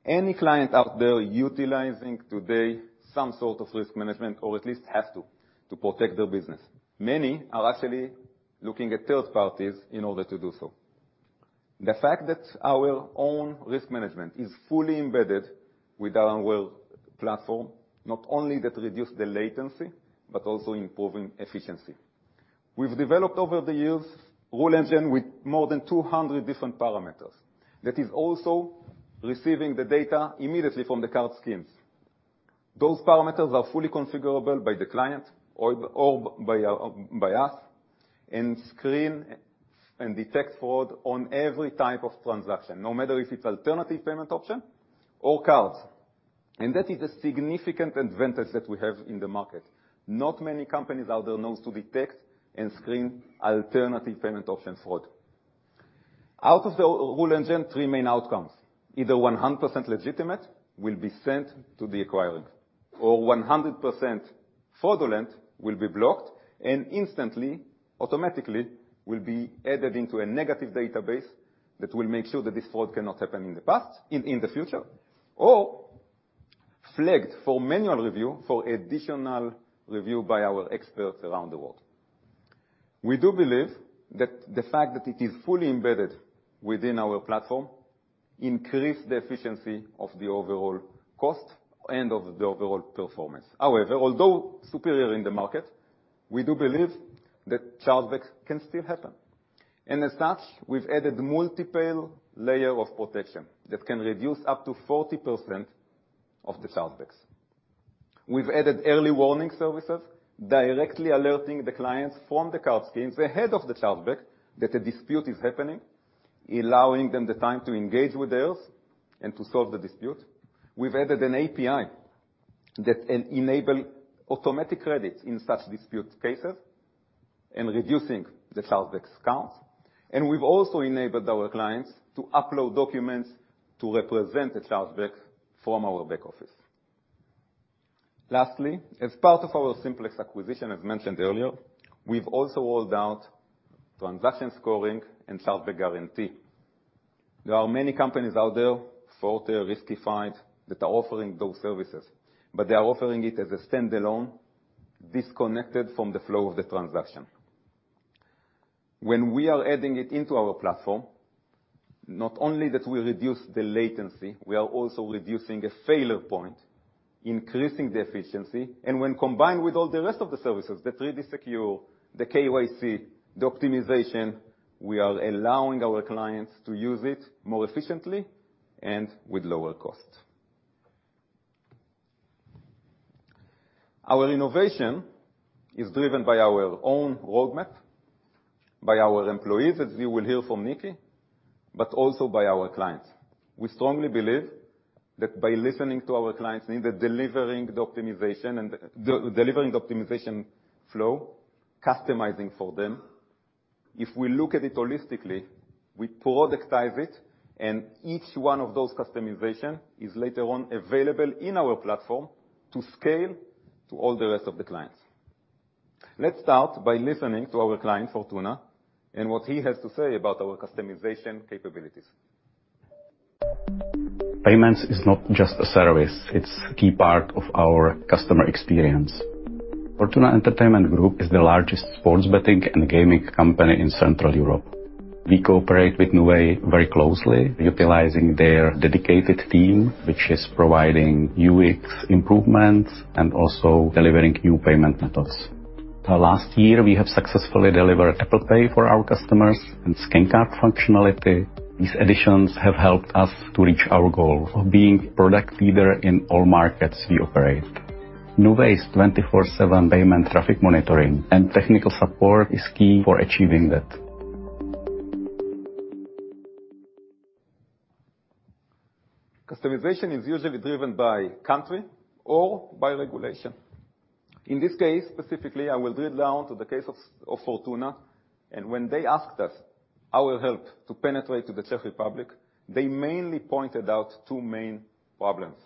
C: Any client out there utilizing today some sort of risk management, or at least have to protect their business. Many are actually looking at third parties in order to do so. The fact that our own risk management is fully embedded with our own world platform, not only that reduce the latency, but also improving efficiency. We've developed over the years rule engine with more than 200 different parameters that is also receiving the data immediately from the card schemes. Those parameters are fully configurable by the client or by us, and screen and detect fraud on every type of transaction, no matter if it's alternative payment methods or cards. That is a significant advantage that we have in the market. Not many companies out there knows to detect and screen alternative payment methods fraud. Out of the rule engine, three main outcomes: either 100% legitimate will be sent to the acquirer, or 100% fraudulent will be blocked and instantly, automatically will be added into a negative database that will make sure that this fraud cannot happen in the future, or flagged for manual review, for additional review by our experts around the world. We do believe that the fact that it is fully embedded within our platform increase the efficiency of the overall cost and of the overall performance. However, although superior in the market, we do believe that chargebacks can still happen. As such, we've added multiple layer of protection that can reduce up to 40% of the chargebacks. We've added early warning services directly alerting the clients from the card schemes ahead of the chargeback that a dispute is happening, allowing them the time to engage with theirs and to solve the dispute. We've added an API that enable automatic credits in such dispute cases and reducing the chargebacks counts. We've also enabled our clients to upload documents to represent a chargeback from our back office. Lastly, as part of our Simplex acquisition, as mentioned earlier, we've also rolled out transaction scoring and chargeback guarantee. There are many companies out there, Forter, Riskified, that are offering those services, but they are offering it as a standalone, disconnected from the flow of the transaction. When we are adding it into our platform, not only that we reduce the latency, we are also reducing a failure point, increasing the efficiency. When combined with all the rest of the services, the 3D Secure, the KYC, the optimization, we are allowing our clients to use it more efficiently and with lower cost. Our innovation is driven by our own roadmap, by our employees, as you will hear from Nikki, but also by our clients. We strongly believe that by listening to our clients need, delivering the optimization flow, customizing for them, if we look at it holistically, we productize it, and each one of those customization is later on available in our platform to scale to all the rest of the clients. Let's start by listening to our client, Fortuna, and what he has to say about our customization capabilities.
G: Payments is not just a service, it's key part of our customer experience. Fortuna Entertainment Group is the largest sports betting and gaming company in Central Europe. We cooperate with Nuvei very closely, utilizing their dedicated team, which is providing UX improvements and also delivering new payment methods. Last year, we have successfully delivered Apple Pay for our customers and scan card functionality. These additions have helped us to reach our goal of being product leader in all markets we operate. Nuvei's 24/7 payment traffic monitoring and technical support is key for achieving that.
C: Customization is usually driven by country or by regulation. In this case, specifically, I will drill down to the case of Fortuna. When they asked us our help to penetrate to the Czech Republic, they mainly pointed out two main problems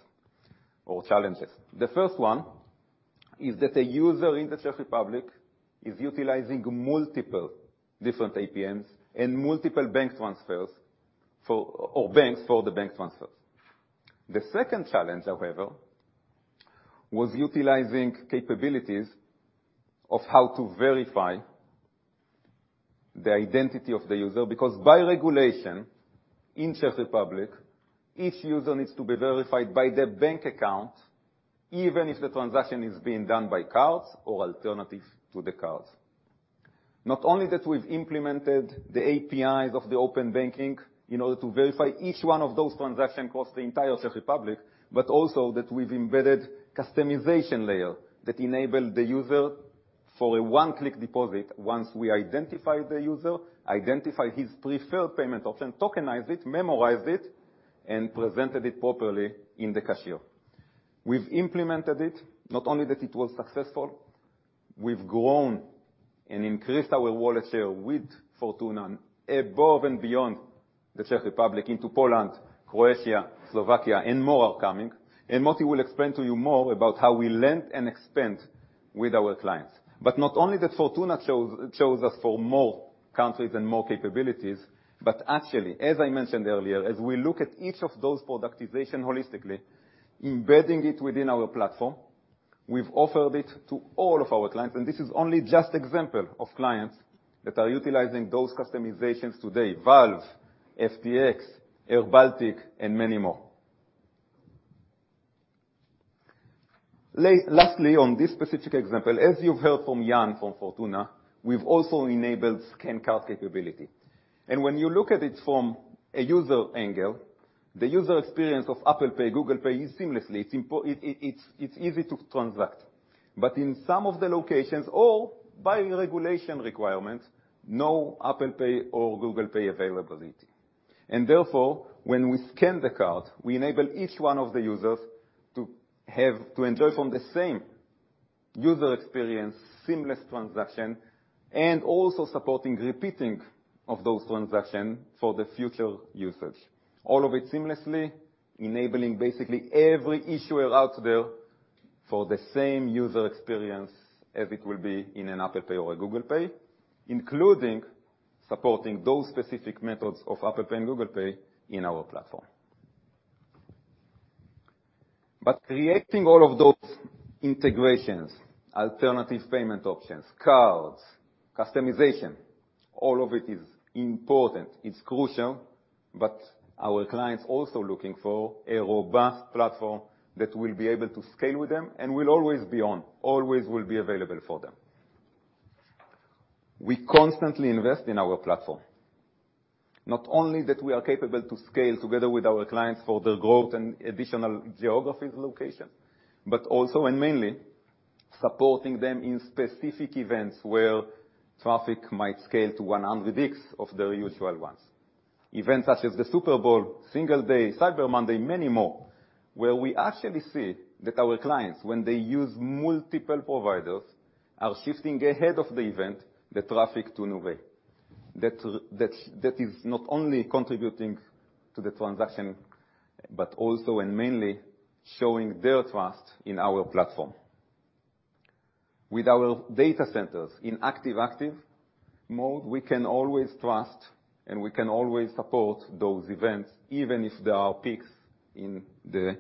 C: or challenges. The first one is that a user in the Czech Republic is utilizing multiple different APMs and multiple bank transfers or banks for the bank transfers. The second challenge, however, was utilizing capabilities of how to verify the identity of the user, because by regulation in Czech Republic, each user needs to be verified by their bank account, even if the transaction is being done by cards or alternative to the cards. Not only that we've implemented the APIs of the open banking in order to verify each one of those transactions across the entire Czech Republic, but also that we've embedded customization layer that enable the user for a one-click deposit once we identify the user, identify his preferred payment option, tokenize it, memorize it, and presented it properly in the cashier. We've implemented it. Not only that it was successful, we've grown and increased our wallet share with Fortuna above and beyond the Czech Republic into Poland, Croatia, Slovakia, and more are coming. Motie will explain to you more about how we land and expand with our clients. Not only that Fortuna chose us for more countries and more capabilities. Actually, as I mentioned earlier, as we look at each of those productization holistically, embedding it within our platform, we've offered it to all of our clients, and this is only just example of clients that are utilizing those customizations today, Valve, FTX, airBaltic, and many more. Lastly, on this specific example, as you've heard from Jan from Fortuna, we've also enabled scan card capability. When you look at it from a user angle, the user experience of Apple Pay, Google Pay is seamless. It's easy to transact. In some of the locations or by regulation requirements, no Apple Pay or Google Pay availability. Therefore, when we scan the card, we enable each one of the users to have to enjoy from the same user experience, seamless transaction, and also supporting repeating of those transaction for the future usage. All of it seamlessly enabling basically every issuer out there for the same user experience as it will be in an Apple Pay or a Google Pay, including supporting those specific methods of Apple Pay and Google Pay in our platform. Creating all of those integrations, alternative payment options, cards, customization, all of it is important, it's crucial, but our clients also looking for a robust platform that will be able to scale with them and will always be on, always will be available for them. We constantly invest in our platform. Not only that we are capable to scale together with our clients for their growth and additional geographies location, but also and mainly supporting them in specific events where traffic might scale to 100x of their usual ones. Events such as the Super Bowl, Singles' Day, Cyber Monday, many more, where we actually see that our clients, when they use multiple providers, are shifting ahead of the event, the traffic to Nuvei. That is not only contributing to the transaction, but also and mainly showing their trust in our platform. With our data centers in active mode, we can always trust, and we can always support those events, even if there are peaks in the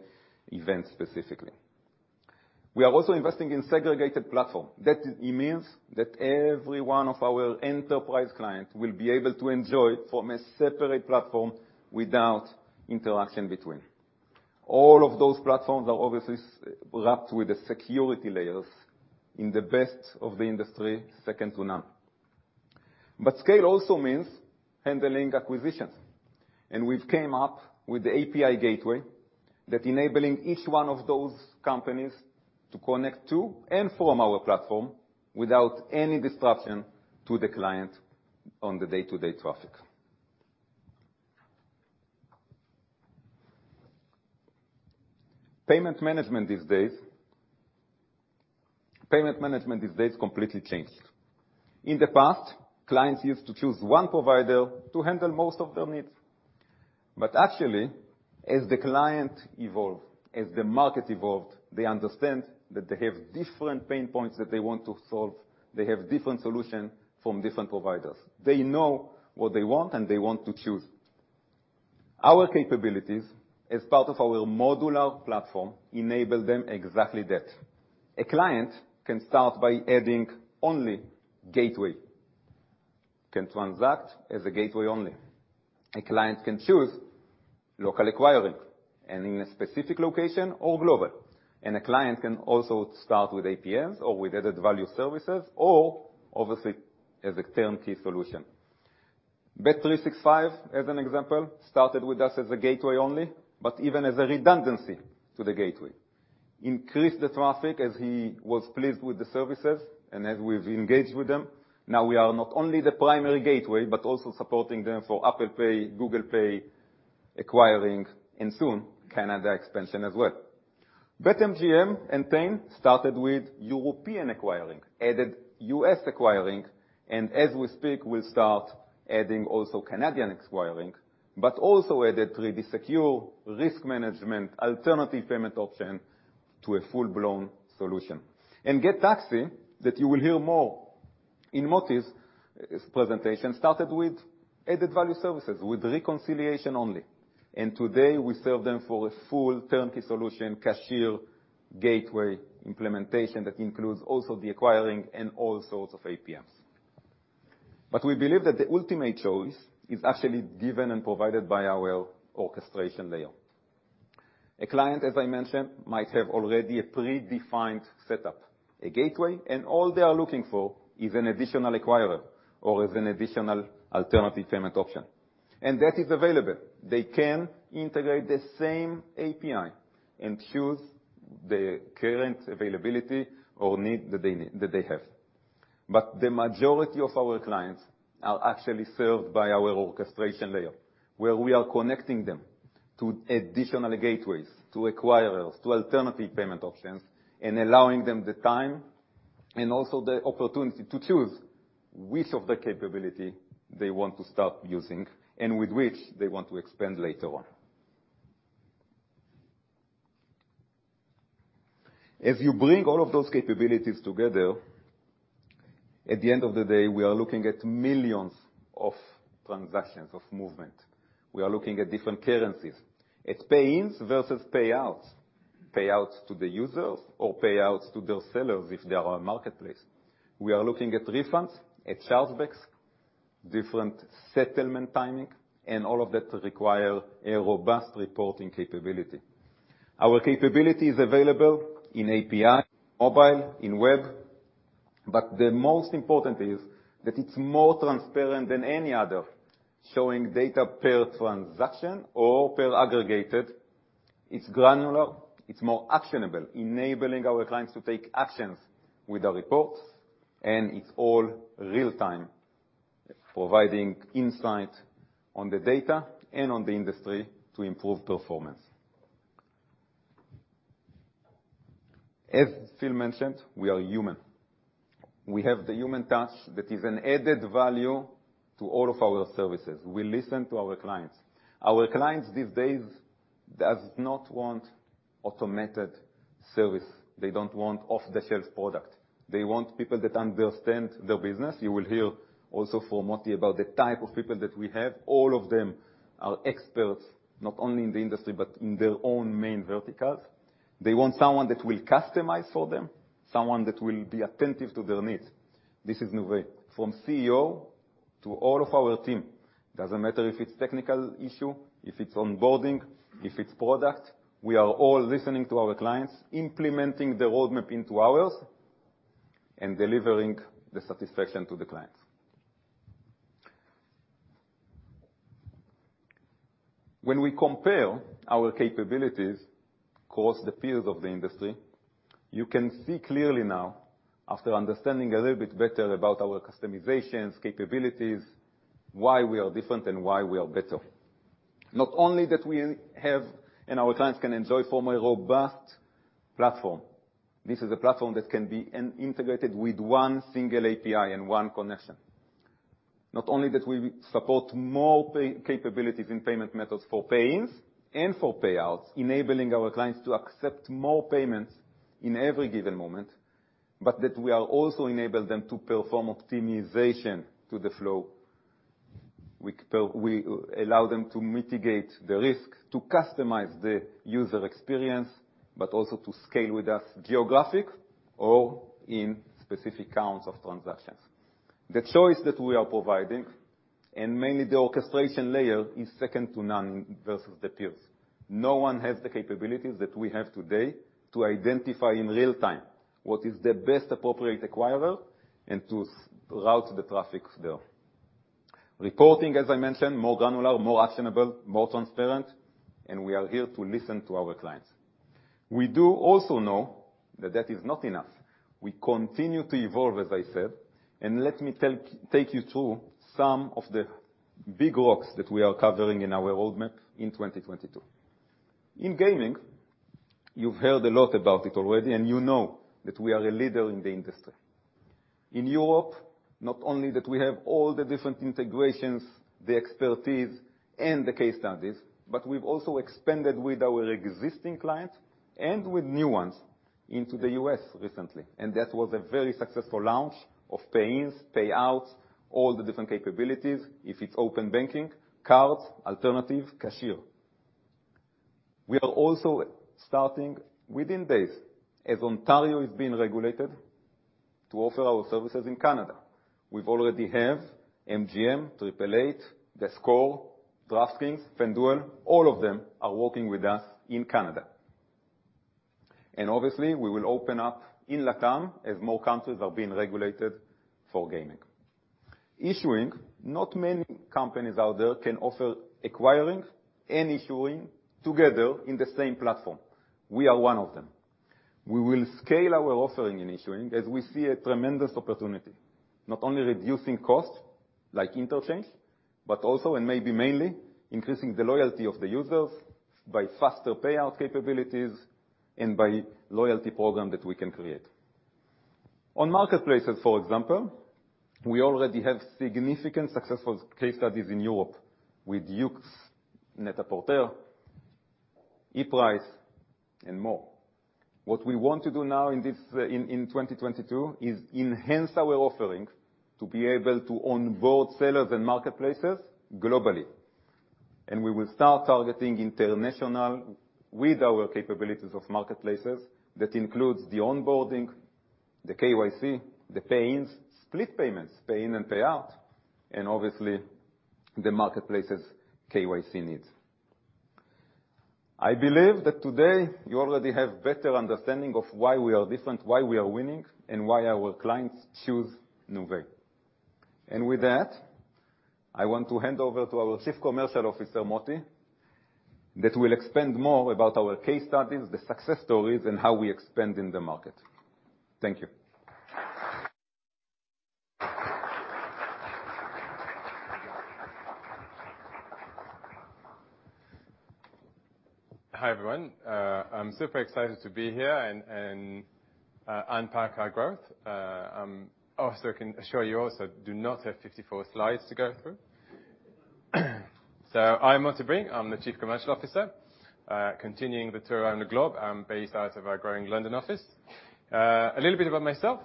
C: event specifically. We are also investing in segregated platform. That it means that every one of our enterprise clients will be able to enjoy from a separate platform without interaction between. All of those platforms are obviously wrapped with the security layers in the best of the industry, second to none. Scale also means handling acquisitions. We've came up with the API gateway that enabling each one of those companies to connect to and from our platform without any disruption to the client on the day-to-day traffic. Payment management these days completely changed. In the past, clients used to choose one provider to handle most of their needs. Actually, as the client evolved, as the market evolved, they understand that they have different pain points that they want to solve. They have different solution from different providers. They know what they want, and they want to choose. Our capabilities as part of our modular platform enable them exactly that. A client can start by adding only gateway, can transact as a gateway only. A client can choose local acquiring and in a specific location or global. A client can also start with APMs or with added value services or obviously, as a turnkey solution. bet365, as an example, started with us as a gateway only, but even as a redundancy to the gateway, increased the traffic as he was pleased with the services and as we've engaged with them. Now we are not only the primary gateway, but also supporting them for Apple Pay, Google Pay acquiring, and soon Canada expansion as well. BetMGM and FanDuel started with European acquiring, added U.S. acquiring, and as we speak, we'll start adding also Canadian acquiring, but also added 3D Secure risk management alternative payment option to a full-blown solution. Gett, that you will hear more in Motie's his presentation, started with added value services with reconciliation only. Today, we serve them for a full turnkey solution cashier gateway implementation that includes also the acquiring and all sorts of APMs. We believe that the ultimate choice is actually given and provided by our orchestration layer. A client, as I mentioned, might have already a predefined setup, a gateway, and all they are looking for is an additional acquirer or is an additional alternative payment option. That is available. They can integrate the same API and choose the current availability or need that they have. The majority of our clients are actually served by our orchestration layer, where we are connecting them to additional gateways, to acquirers, to alternative payment options, and allowing them the time and also the opportunity to choose which of the capability they want to start using and with which they want to expand later on. As you bring all of those capabilities together, at the end of the day, we are looking at millions of transactions, of movement. We are looking at different currencies. It's pay-ins versus payouts. Payouts to the users or payouts to their sellers if they are on marketplace. We are looking at refunds, at chargebacks, different settlement timing, and all of that require a robust reporting capability. Our capability is available in API, mobile, in web, but the most important is that it's more transparent than any other, showing data per transaction or per aggregated. It's granular, it's more actionable, enabling our clients to take actions with the reports, and it's all real-time, providing insight on the data and on the industry to improve performance. As Phil mentioned, we are human. We have the human touch that is an added value to all of our services. We listen to our clients. Our clients these days does not want automated service. They don't want off-the-shelf product. They want people that understand their business. You will hear also from Motie about the type of people that we have. All of them are experts, not only in the industry, but in their own main verticals. They want someone that will customize for them, someone that will be attentive to their needs. This is Nuvei, from CEO to all of our team. Doesn't matter if it's technical issue, if it's onboarding, if it's product. We are all listening to our clients, implementing their roadmap into ours, and delivering the satisfaction to the clients. When we compare our capabilities across the peers of the industry, you can see clearly now, after understanding a little bit better about our customizations, capabilities, why we are different and why we are better. Not only that we have and our clients can enjoy a more robust platform, this is a platform that can be integrated with one single API and one connection. Not only that we support more capabilities in payment methods for pay-ins and for payouts, enabling our clients to accept more payments in every given moment, but that we also enable them to perform optimization to the flow. We allow them to mitigate the risk, to customize the user experience, but also to scale with us geographically or in specific counts of transactions. The choice that we are providing, and mainly the orchestration layer, is second to none versus the peers. No one has the capabilities that we have today to identify in real time what is the best appropriate acquirer and to route the traffic there. Reporting, as I mentioned, more granular, more actionable, more transparent, and we are here to listen to our clients. We do also know that that is not enough. We continue to evolve, as I said, and let me take you through some of the big rocks that we are covering in our roadmap in 2022. In gaming, you've heard a lot about it already, and you know that we are a leader in the industry. In Europe, not only that we have all the different integrations, the expertise, and the case studies, but we've also expanded with our existing clients and with new ones into the U.S. recently. That was a very successful launch of pay-ins, payouts, all the different capabilities. If it's open banking, cards, alternative, cashier. We are also starting within days, as Ontario is being regulated, to offer our services in Canada. We already have MGM, 888, theScore, DraftKings, FanDuel, all of them are working with us in Canada. Obviously, we will open up in LATAM as more countries are being regulated for gaming. Issuing, not many companies out there can offer acquiring and issuing together in the same platform. We are one of them. We will scale our offering in issuing as we see a tremendous opportunity, not only reducing cost, like interchange, but also and maybe mainly, increasing the loyalty of the users by faster payout capabilities and by loyalty program that we can create. On marketplaces, for example, we already have significant successful case studies in Europe with YOOX NET-A-PORTER, ePRICE, and more. What we want to do now in this 2022 is enhance our offerings to be able to onboard sellers and marketplaces globally. We will start targeting international with our capabilities of marketplaces. That includes the onboarding, the KYC, the pay-ins, split payments, pay-in and payout, and obviously the marketplaces KYC needs. I believe that today you already have better understanding of why we are different, why we are winning, and why our clients choose Nuvei. With that, I want to hand over to our Chief Commercial Officer, Motie, that will expand more about our case studies, the success stories, and how we expand in the market. Thank you.
H: Hi, everyone. I'm super excited to be here and unpack our growth. I can assure you I do not have 54 slides to go through. I'm Motie Bring. I'm the Chief Commercial Officer. Continuing the tour around the globe, I'm based out of our growing London office. A little bit about myself.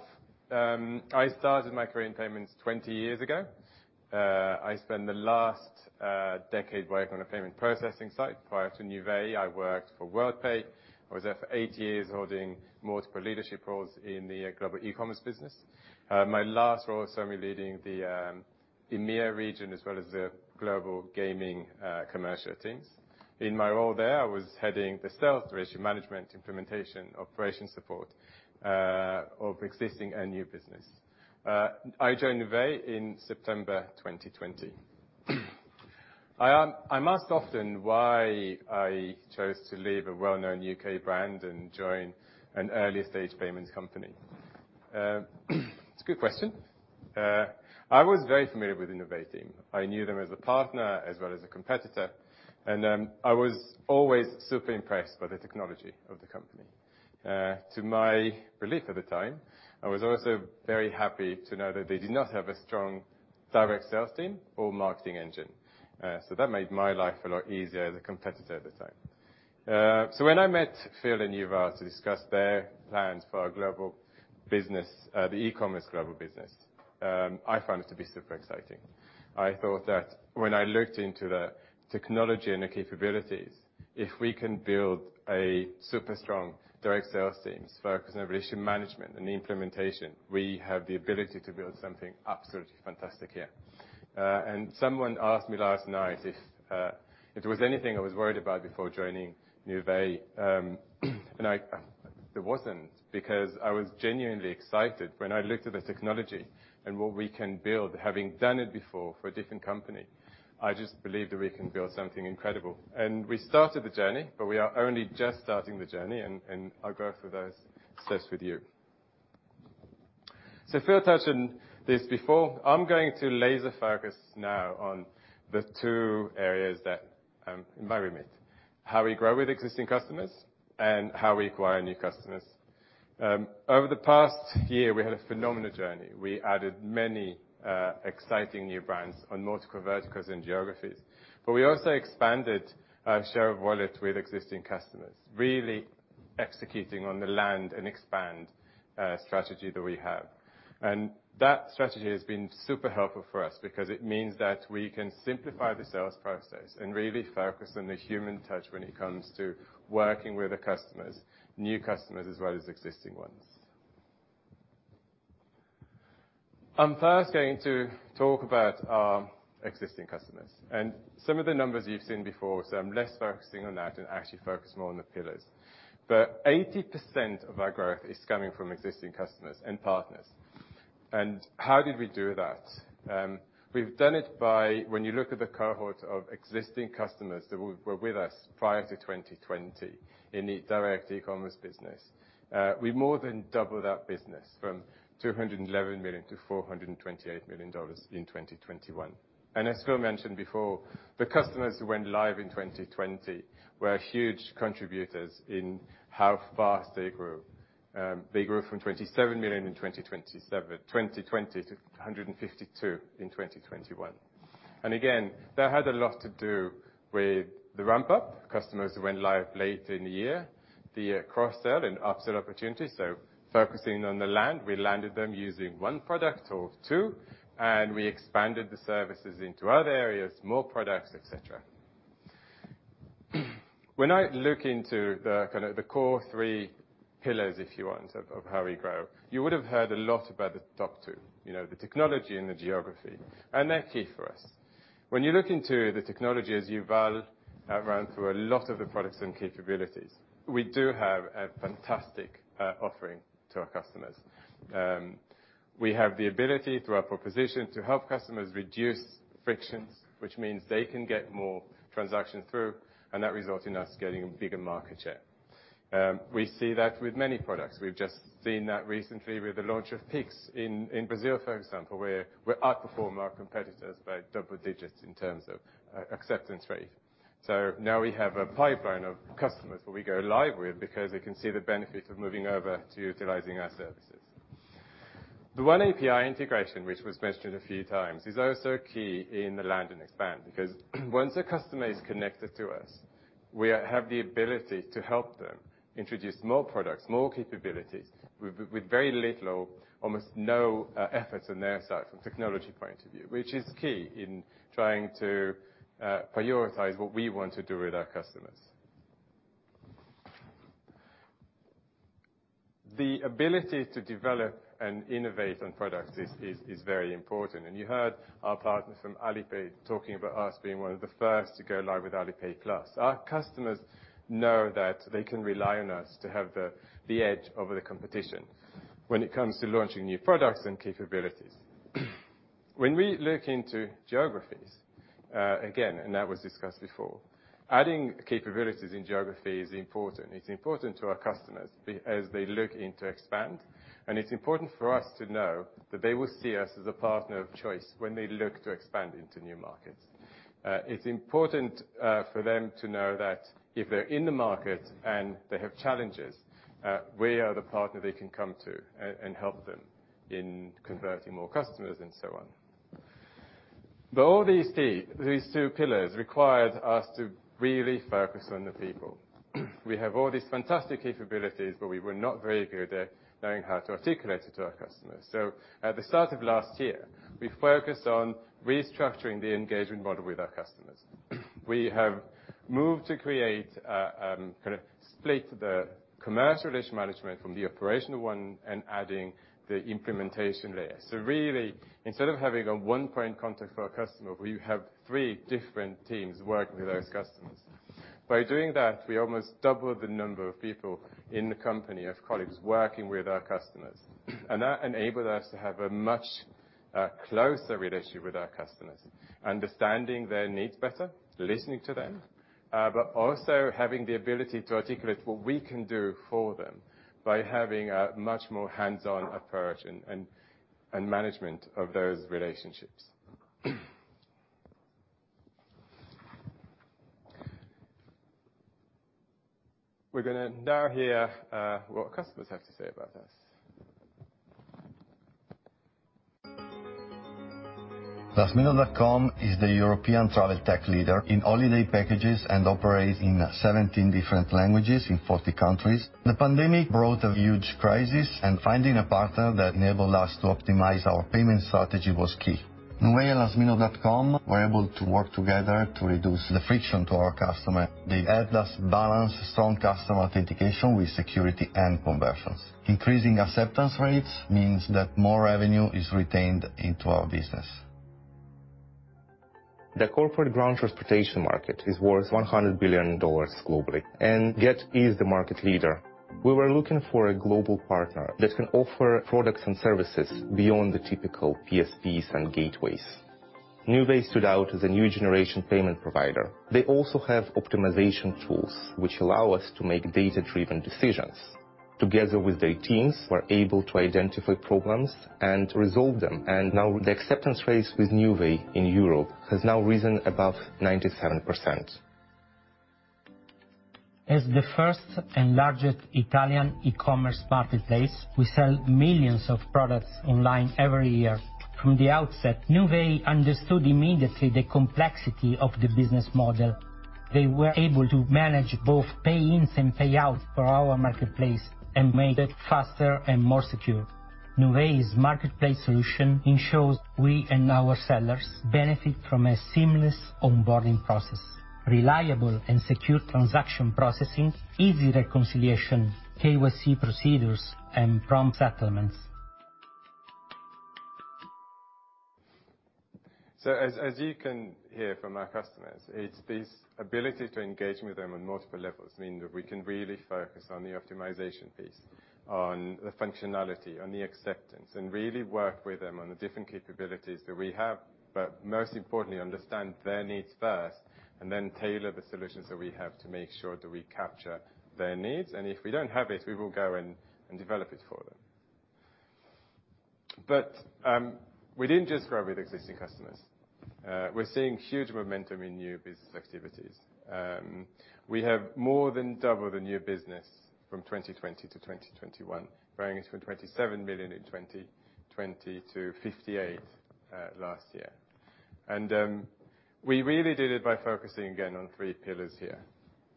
H: I started my career in payments 20 years ago. I spent the last decade working on a payment processing side. Prior to Nuvei, I worked for Worldpay. I was there for eight years holding multiple leadership roles in the global e-commerce business. My last role saw me leading the EMEA region as well as the global gaming commercial teams. In my role there, I was heading the sales, relationship management, implementation, operation support of existing and new business. I joined Nuvei in September 2020. I'm asked often why I chose to leave a well-known U.K. brand and join an early-stage payments company. It's a good question. I was very familiar with the Nuvei team. I knew them as a partner as well as a competitor. I was always super impressed by the technology of the company. To my relief at the time, I was also very happy to know that they did not have a strong direct sales team or marketing engine. That made my life a lot easier as a competitor at the time. When I met Phil and Yuval to discuss their plans for our global business, the e-commerce global business, I found it to be super exciting. I thought that when I looked into the technology and the capabilities, if we can build a super strong direct sales teams focused on relationship management and implementation, we have the ability to build something absolutely fantastic here. Someone asked me last night if there was anything I was worried about before joining Nuvei. There wasn't, because I was genuinely excited when I looked at the technology and what we can build, having done it before for a different company. I just believed that we can build something incredible. We started the journey, but we are only just starting the journey, and I'll go through those steps with you. Phil touched on this before. I'm going to laser focus now on the two areas in the environment. How we grow with existing customers and how we acquire new customers. Over the past year, we had a phenomenal journey. We added many exciting new brands on multiple verticals and geographies, but we also expanded our share of wallet with existing customers, really executing on the land and expand strategy that we have. That strategy has been super helpful for us because it means that we can simplify the sales process and really focus on the human touch when it comes to working with the customers, new customers as well as existing ones. I'm first going to talk about our existing customers. Some of the numbers you've seen before, so I'm less focusing on that and actually focus more on the pillars. 80% of our growth is coming from existing customers and partners. How did we do that? We've done it by when you look at the cohort of existing customers that were with us prior to 2020 in the direct e-commerce business, we more than doubled that business from $211 million to $428 million in 2021. As Phil mentioned before, the customers who went live in 2020 were huge contributors in how fast they grew. They grew from $27 million in 2020 to $152 million in 2021. That had a lot to do with the ramp-up. Customers went live late in the year. The cross-sell and up-sell opportunities, so focusing on the land, we landed them using one product or two, and we expanded the services into other areas, more products, et cetera. When I look into the kinda core three pillars, if you want, of how we grow, you would have heard a lot about the top two, you know, the technology and the geography, and they're key for us. When you look into the technology, as Yuval ran through a lot of the products and capabilities, we do have a fantastic offering to our customers. We have the ability through our proposition to help customers reduce frictions, which means they can get more transactions through, and that results in us getting a bigger market share. We see that with many products. We've just seen that recently with the launch of Pix in Brazil, for example, where we outperform our competitors by double digits in terms of acceptance rate. Now we have a pipeline of customers who we go live with because they can see the benefit of moving over to utilizing our services. The one API integration, which was mentioned a few times, is also key in the land and expand. Because once a customer is connected to us, we have the ability to help them introduce more products, more capabilities with very little or almost no effort on their side from technology point of view, which is key in trying to prioritize what we want to do with our customers. The ability to develop and innovate on products is very important. You heard our partner from Alipay talking about us being one of the first to go live with Alipay+. Our customers know that they can rely on us to have the edge over the competition when it comes to launching new products and capabilities. When we look into geographies, again, and that was discussed before, adding capabilities in geography is important. It's important to our customers as they look into expand, and it's important for us to know that they will see us as a partner of choice when they look to expand into new markets. It's important for them to know that if they're in the market and they have challenges, we are the partner they can come to and help them in converting more customers and so on. All these these two pillars required us to really focus on the people. We have all these fantastic capabilities, but we were not very good at knowing how to articulate it to our customers. At the start of last year, we focused on restructuring the engagement model with our customers. We have moved to create kind of split the commercial relationship management from the operational one and adding the implementation layer. Really, instead of having a one-point contact for our customer, we have three different teams working with those customers. By doing that, we almost doubled the number of people in the company, of colleagues working with our customers. That enabled us to have a much closer relationship with our customers, understanding their needs better, listening to them, but also having the ability to articulate what we can do for them by having a much more hands-on approach and management of those relationships. We're gonna now hear what customers have to say about us.
I: lastminute.com is the European Travel-Tech leader in holiday packages and operates in 17 different languages in 40 countries. The pandemic brought a huge crisis, and finding a partner that enabled us to optimize our payment strategy was key. Nuvei and lastminute.com were able to work together to reduce the friction to our customer. They helped us balance strong customer authentication with security and conversions. Increasing acceptance rates means that more revenue is retained into our business.
J: The corporate ground transportation market is worth $100 billion globally, and Gett is the market leader. We were looking for a global partner that can offer products and services beyond the typical PSPs and gateways. Nuvei stood out as a new generation payment provider. They also have optimization tools, which allow us to make data-driven decisions. Together with their teams, we're able to identify problems and resolve them, and now the acceptance rates with Nuvei in Europe has now risen above 97%.
K: As the first and largest Italian e-commerce marketplace, we sell millions of products online every year. From the outset, Nuvei understood immediately the complexity of the business model. They were able to manage both pay-ins and payouts for our marketplace and made it faster and more secure. Nuvei's marketplace solution ensures we and our sellers benefit from a seamless onboarding process, reliable and secure transaction processing, easy reconciliation, KYC procedures, and prompt settlements.
H: As you can hear from our customers, it's this ability to engage with them on multiple levels mean that we can really focus on the optimization piece, on the functionality, on the acceptance, and really work with them on the different capabilities that we have. Most importantly, understand their needs first and then tailor the solutions that we have to make sure that we capture their needs. And if we don't have it, we will go and develop it for them. We didn't just grow with existing customers. We're seeing huge momentum in new business activities. We have more than doubled the new business from 2020 to 2021, ranging from $27 million in 2020 to $58 million last year. We really did it by focusing again on three pillars here.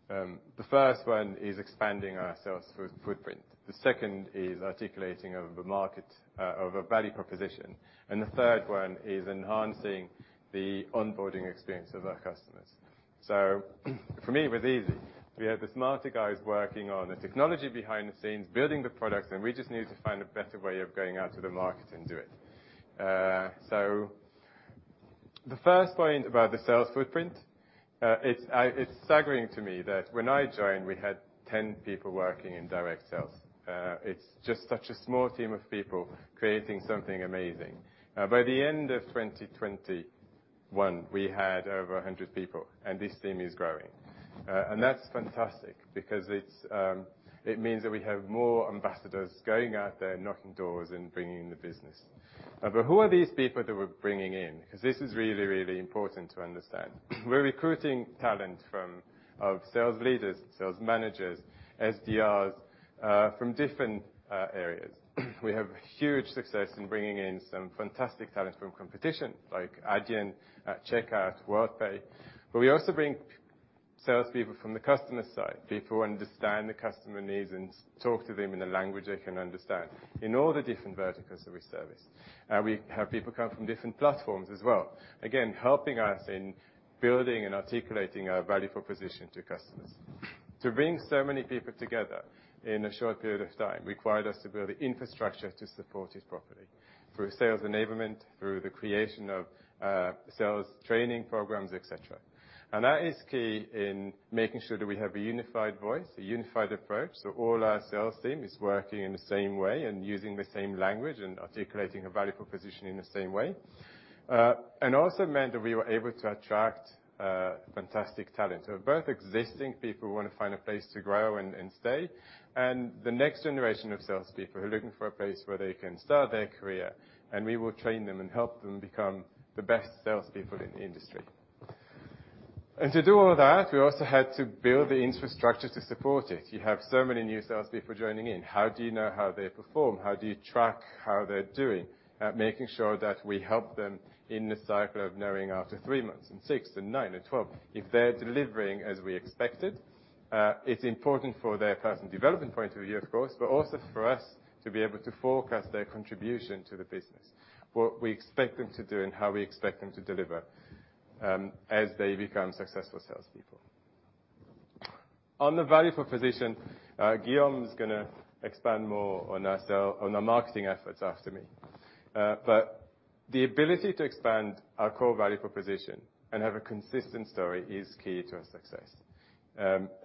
H: The first one is expanding our sales footprint. The second is articulating to the market a value proposition, and the third one is enhancing the onboarding experience of our customers. For me, it was easy. We had the smarter guys working on the technology behind the scenes, building the products, and we just needed to find a better way of going out to the market and do it. The first point about the sales footprint, it's staggering to me that when I joined, we had 10 people working in direct sales. It's just such a small team of people creating something amazing. By the end of 2021, we had over 100 people, and this team is growing. That's fantastic because it means that we have more ambassadors going out there, knocking doors and bringing in the business. Who are these people that we're bringing in? Because this is really, really important to understand. We're recruiting talent from sales leaders, sales managers, SDRs, from different areas. We have huge success in bringing in some fantastic talent from competition like Adyen, Checkout, Worldpay. We also bring sales people from the customer side, people who understand the customer needs and talk to them in a language they can understand in all the different verticals that we service. We have people come from different platforms as well, again, helping us in building and articulating our value proposition to customers. To bring so many people together in a short period of time required us to build the infrastructure to support it properly, through sales enablement, through the creation of sales training programs, et cetera. That is key in making sure that we have a unified voice, a unified approach, so all our sales team is working in the same way and using the same language and articulating a value proposition in the same way. Also meant that we were able to attract fantastic talent. Both existing people who wanna find a place to grow and stay, and the next generation of salespeople who are looking for a place where they can start their career, and we will train them and help them become the best salespeople in the industry. To do all that, we also had to build the infrastructure to support it. You have so many new salespeople joining in. How do you know how they perform? How do you track how they're doing? Making sure that we help them in the cycle of knowing after three months and six and nine and 12 if they're delivering as we expected. It's important for their personal development point of view, of course, but also for us to be able to forecast their contribution to the business, what we expect them to do and how we expect them to deliver, as they become successful salespeople. On the value proposition, Guillaume is gonna expand more on our marketing efforts after me. The ability to expand our core value proposition and have a consistent story is key to our success.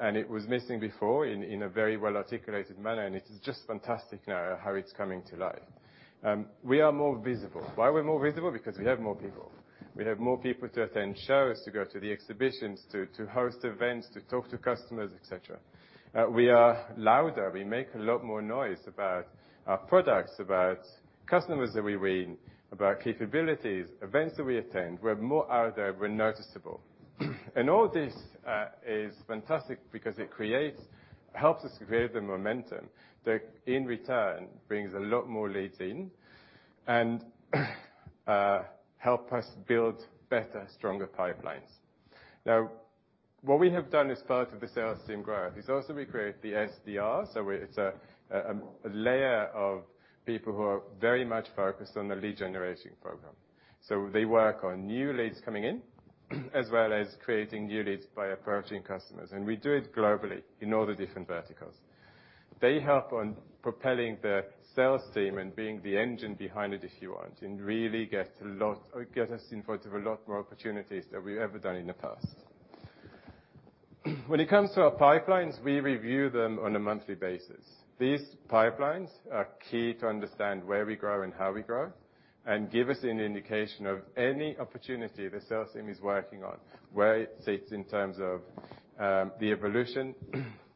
H: It was missing before in a very well articulated manner, and it is just fantastic now how it's coming to life. We are more visible. Why we're more visible? Because we have more people. We have more people to attend shows, to go to the exhibitions, to host events, to talk to customers, et cetera. We are louder. We make a lot more noise about our products, about customers that we win, about capabilities, events that we attend. We're more out there. We're noticeable. All this is fantastic because it helps us to create the momentum that in return brings a lot more leads in and help us build better, stronger pipelines. Now, what we have done as part of the sales team growth is also we create the SDR. It's a layer of people who are very much focused on the lead generation program. They work on new leads coming in, as well as creating new leads by approaching customers. We do it globally in all the different verticals. They help on propelling the sales team and being the engine behind it, if you want, and really get us in front of a lot more opportunities than we've ever done in the past. When it comes to our pipelines, we review them on a monthly basis. These pipelines are key to understand where we grow and how we grow and give us an indication of any opportunity the sales team is working on, where it sits in terms of the evolution,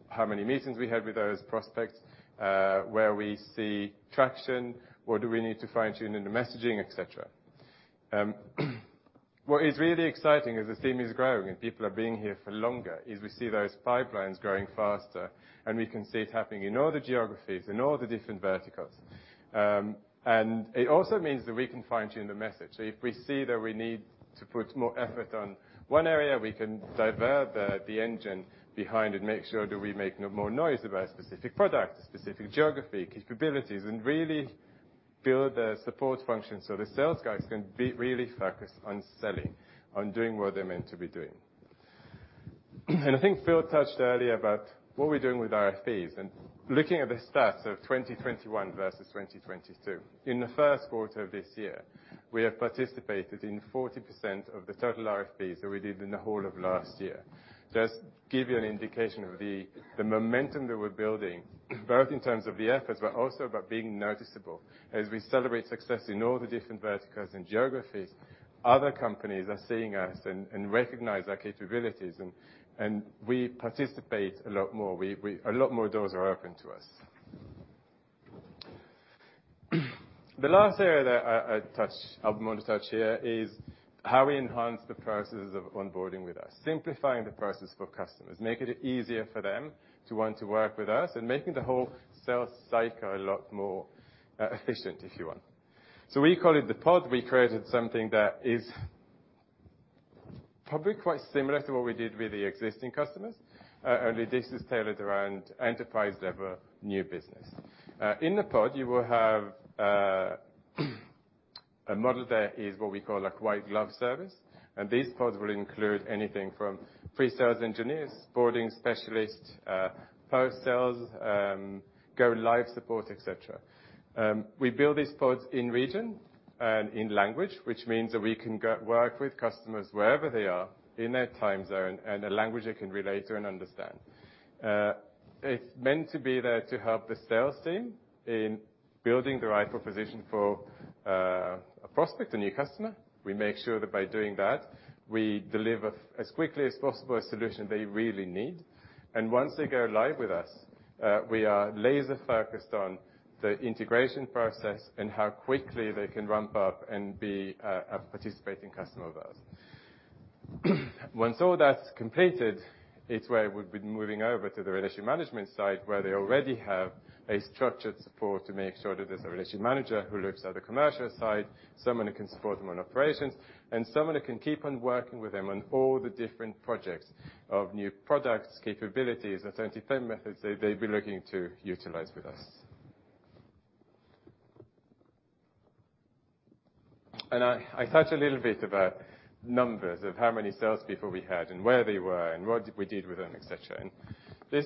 H: how many meetings we have with those prospects, where we see traction, what do we need to fine-tune in the messaging, et cetera. What is really exciting as the team is growing and people are being here for longer, is we see those pipelines growing faster, and we can see it happening in all the geographies, in all the different verticals. It also means that we can fine-tune the message. If we see that we need to put more effort on one area, we can divert the engine behind and make sure that we make more noise about specific products, specific geography, capabilities, and really build a support function so the sales guys can be really focused on selling, on doing what they're meant to be doing. I think Phil touched earlier about what we're doing with RFPs. Looking at the stats of 2021 versus 2022, in the first quarter of this year, we have participated in 40% of the total RFPs that we did in the whole of last year. Just give you an indication of the momentum that we're building, both in terms of the efforts, but also about being noticeable. As we celebrate success in all the different verticals and geographies, other companies are seeing us and recognize our capabilities and we participate a lot more. A lot more doors are open to us. The last area that I want to touch here is how we enhance the processes of onboarding with us, simplifying the process for customers, making it easier for them to want to work with us and making the whole sales cycle a lot more efficient, if you want. We call it the pod. We created something that is probably quite similar to what we did with the existing customers, only this is tailored around enterprise-level new business. In the pod, you will have a model that is what we call a white glove service. These pods will include anything from pre-sales engineers, boarding specialists, post sales, go live support, et cetera. We build these pods in region and in language, which means that we can go work with customers wherever they are in their time zone and a language they can relate to and understand. It's meant to be there to help the sales team in building the right proposition for a prospect, a new customer. We make sure that by doing that, we deliver as quickly as possible a solution they really need. Once they go live with us, we are laser focused on the integration process and how quickly they can ramp up and be a participating customer of ours. When all that's completed, it's where we've been moving over to the relationship management side, where they already have a structured support to make sure that there's a relationship manager who looks at the commercial side, someone who can support them on operations, and someone who can keep on working with them on all the different projects of new products, capabilities, authentic payment methods that they'd be looking to utilize with us. I touch a little bit about numbers of how many salespeople we had and where they were and what we did with them, et cetera. This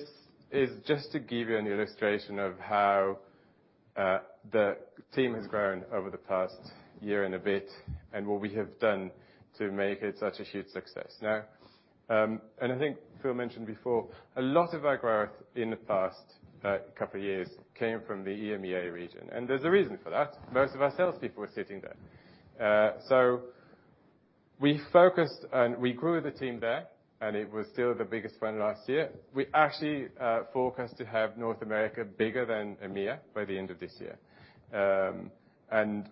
H: is just to give you an illustration of how the team has grown over the past year and a bit and what we have done to make it such a huge success. Now, I think Phil mentioned before, a lot of our growth in the past couple of years came from the EMEA region, and there's a reason for that. Most of our salespeople were sitting there. So we focused and we grew the team there, and it was still the biggest one last year. We actually forecast to have North America bigger than EMEA by the end of this year.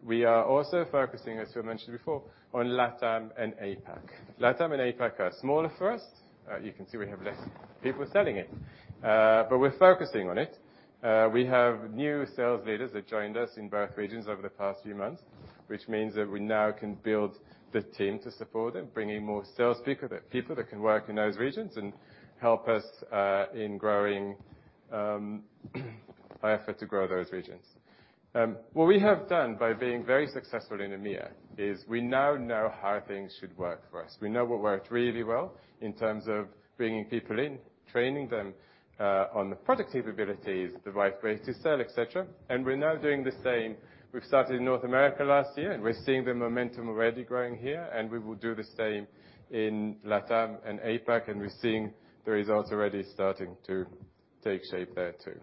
H: We are also focusing, as Phil mentioned before, on LATAM and APAC. LATAM and APAC are smaller for us. You can see we have less people selling it, but we're focusing on it. We have new sales leaders that joined us in both regions over the past few months, which means that we now can build the team to support them, bring in more salespeople that, people that can work in those regions and help us in growing our effort to grow those regions. What we have done by being very successful in EMEA is we now know how things should work for us. We know what worked really well in terms of bringing people in, training them on the product capabilities, the right way to sell, et cetera, and we're now doing the same. We've started in North America last year, and we're seeing the momentum already growing here, and we will do the same in LATAM and APAC, and we're seeing the results already starting to take shape there too.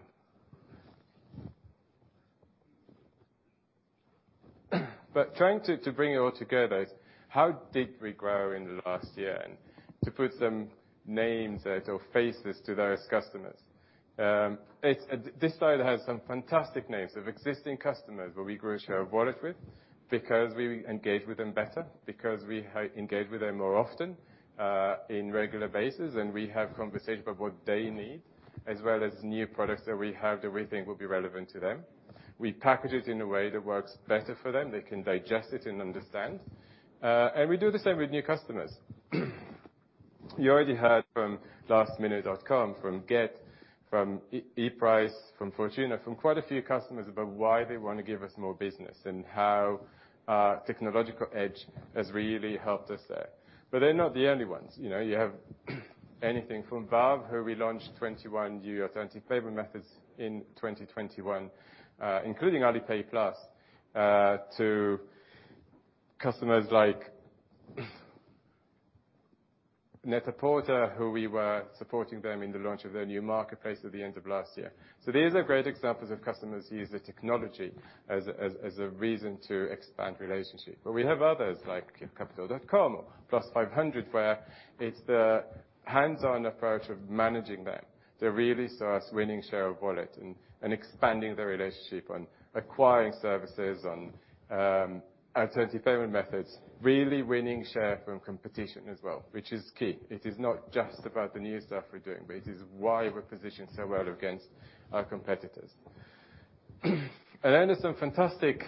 H: Trying to bring it all together is how did we grow in the last year? To put some names or faces to those customers. This slide has some fantastic names of existing customers where we grew share of wallet with because we engage with them better, because we engage with them more often, on a regular basis, and we have conversation about what they need, as well as new products that we have that we think will be relevant to them. We package it in a way that works better for them. They can digest it and understand. We do the same with new customers. You already heard from lastminute.com, from Gett, from ePRICE, from Fortuna, from quite a few customers about why they wanna give us more business and how our technological edge has really helped us there. They're not the only ones. You know, you have anything from Valve, who we launched 21 new alternative payment methods in 2021, including Alipay+, to customers like NET-A-PORTER, who we were supporting them in the launch of their new marketplace at the end of last year. These are great examples of customers who use the technology as a reason to expand relationship. We have others like Capital.com or Plus500, where it's the hands-on approach of managing them that really saw us winning share of wallet and expanding the relationship and acquiring services and alternative payment methods. Really winning share from competition as well, which is key. It is not just about the new stuff we're doing, but it is why we're positioned so well against our competitors. Then there's some fantastic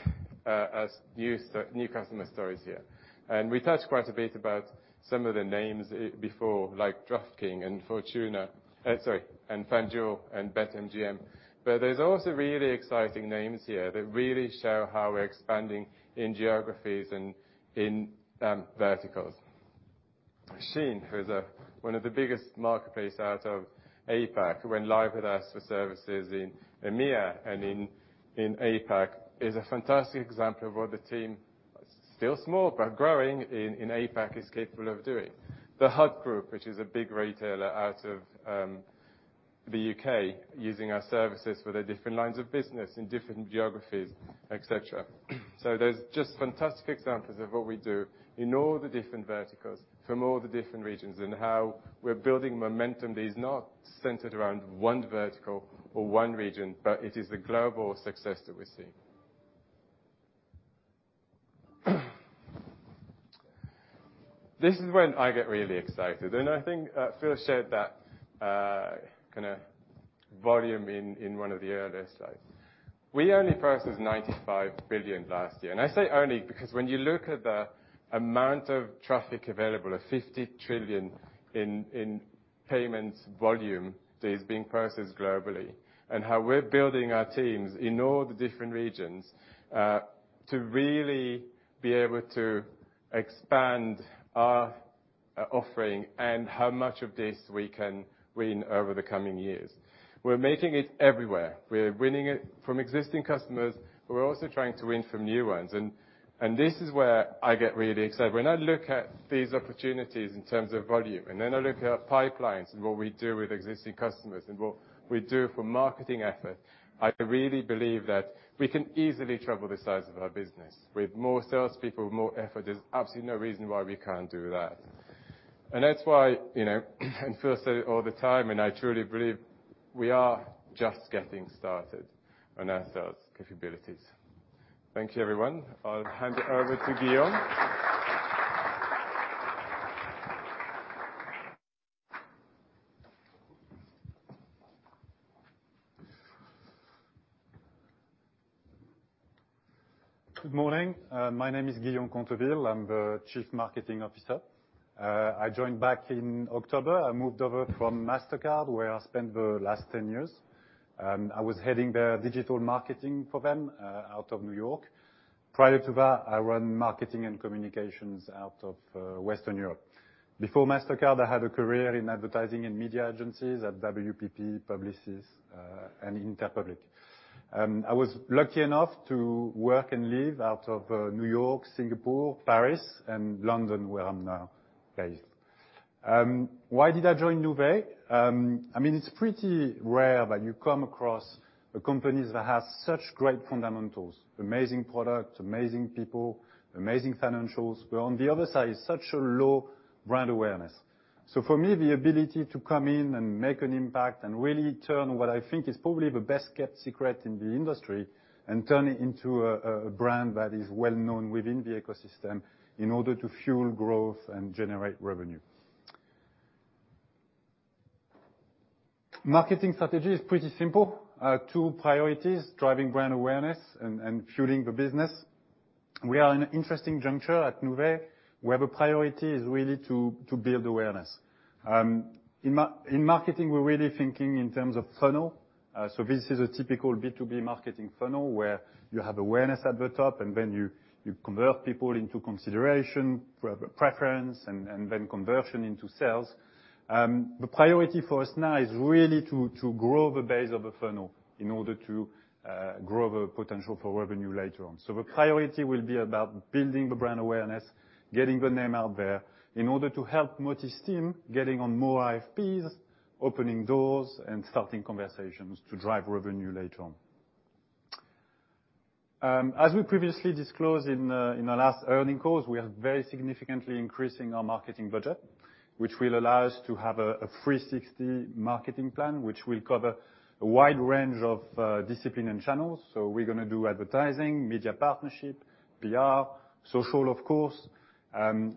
H: new customer stories here. We touched quite a bit about some of the names before, like DraftKings and Fortuna and FanDuel and BetMGM. There's also really exciting names here that really show how we're expanding in geographies and in verticals. SHEIN, who's one of the biggest marketplace out of APAC, went live with us for services in EMEA and in APAC, is a fantastic example of what the team, still small but growing, in APAC is capable of doing. The Hut Group, which is a big retailer out of the U.K., using our services for their different lines of business in different geographies, et cetera. There's just fantastic examples of what we do in all the different verticals from all the different regions and how we're building momentum that is not centered around one vertical or one region, but it is a global success that we're seeing. This is when I get really excited. I think Phil shared that kinda volume in one of the earlier slides. We only processed $95 billion last year. I say only because when you look at the amount of traffic available, at $50 trillion in payments volume that is being processed globally, and how we're building our teams in all the different regions, to really be able to expand our offering and how much of this we can win over the coming years. We're making it everywhere. We're winning it from existing customers, but we're also trying to win from new ones. This is where I get really excited. When I look at these opportunities in terms of volume, and then I look at pipelines and what we do with existing customers and what we do for marketing effort, I really believe that we can easily triple the size of our business. With more salespeople, with more effort, there's absolutely no reason why we can't do that. That's why, you know, and Phil say it all the time, and I truly believe we are just getting started on our sales capabilities. Thank you, everyone. I'll hand it over to Guillaume.
L: Good morning. My name is Guillaume Conteville. I'm the Chief Marketing Officer. I joined back in October. I moved over from Mastercard, where I spent the last 10 years. I was heading the digital marketing for them out of New York. Prior to that, I ran marketing and communications out of Western Europe. Before Mastercard, I had a career in advertising and media agencies at WPP, Publicis, and Interpublic. I was lucky enough to work and live out of New York, Singapore, Paris, and London, where I'm now based. Why did I join Nuvei? I mean, it's pretty rare that you come across a company that has such great fundamentals, amazing product, amazing people, amazing financials, but on the other side, such a low brand awareness. For me, the ability to come in and make an impact and really turn what I think is probably the best-kept secret in the industry and turn it into a brand that is well-known within the ecosystem in order to fuel growth and generate revenue. Marketing strategy is pretty simple. Two priorities, driving brand awareness and fueling the business. We are in an interesting juncture at Nuvei, where the priority is really to build awareness. In marketing, we're really thinking in terms of funnel. This is a typical B2B marketing funnel where you have awareness at the top, and then you convert people into consideration, preference, and then conversion into sales. The priority for us now is really to grow the base of the funnel in order to grow the potential for revenue later on. The priority will be about building the brand awareness, getting the name out there in order to help Motie's team getting on more RFPs, opening doors, and starting conversations to drive revenue later on. As we previously disclosed in our last earnings calls, we are very significantly increasing our marketing budget, which will allow us to have a 360 marketing plan, which will cover a wide range of disciplines and channels. We're gonna do advertising, media partnerships, PR, social, of course.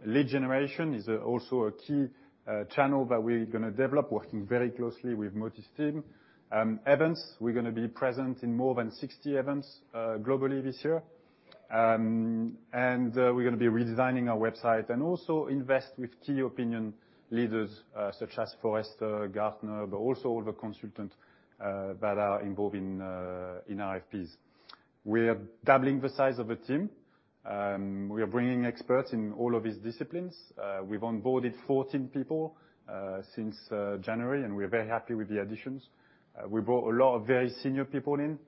L: Lead generation is also a key channel that we're gonna develop, working very closely with Motie's team. Events, we're gonna be present in more than 60 events globally this year. We're gonna be redesigning our website and also invest with key opinion leaders such as Forrester, Gartner, but also all the consultants that are involved in RFPs. We're doubling the size of the team. We are bringing experts in all of these disciplines. We've onboarded 14 people since January, and we're very happy with the additions. We brought a lot of very senior people in.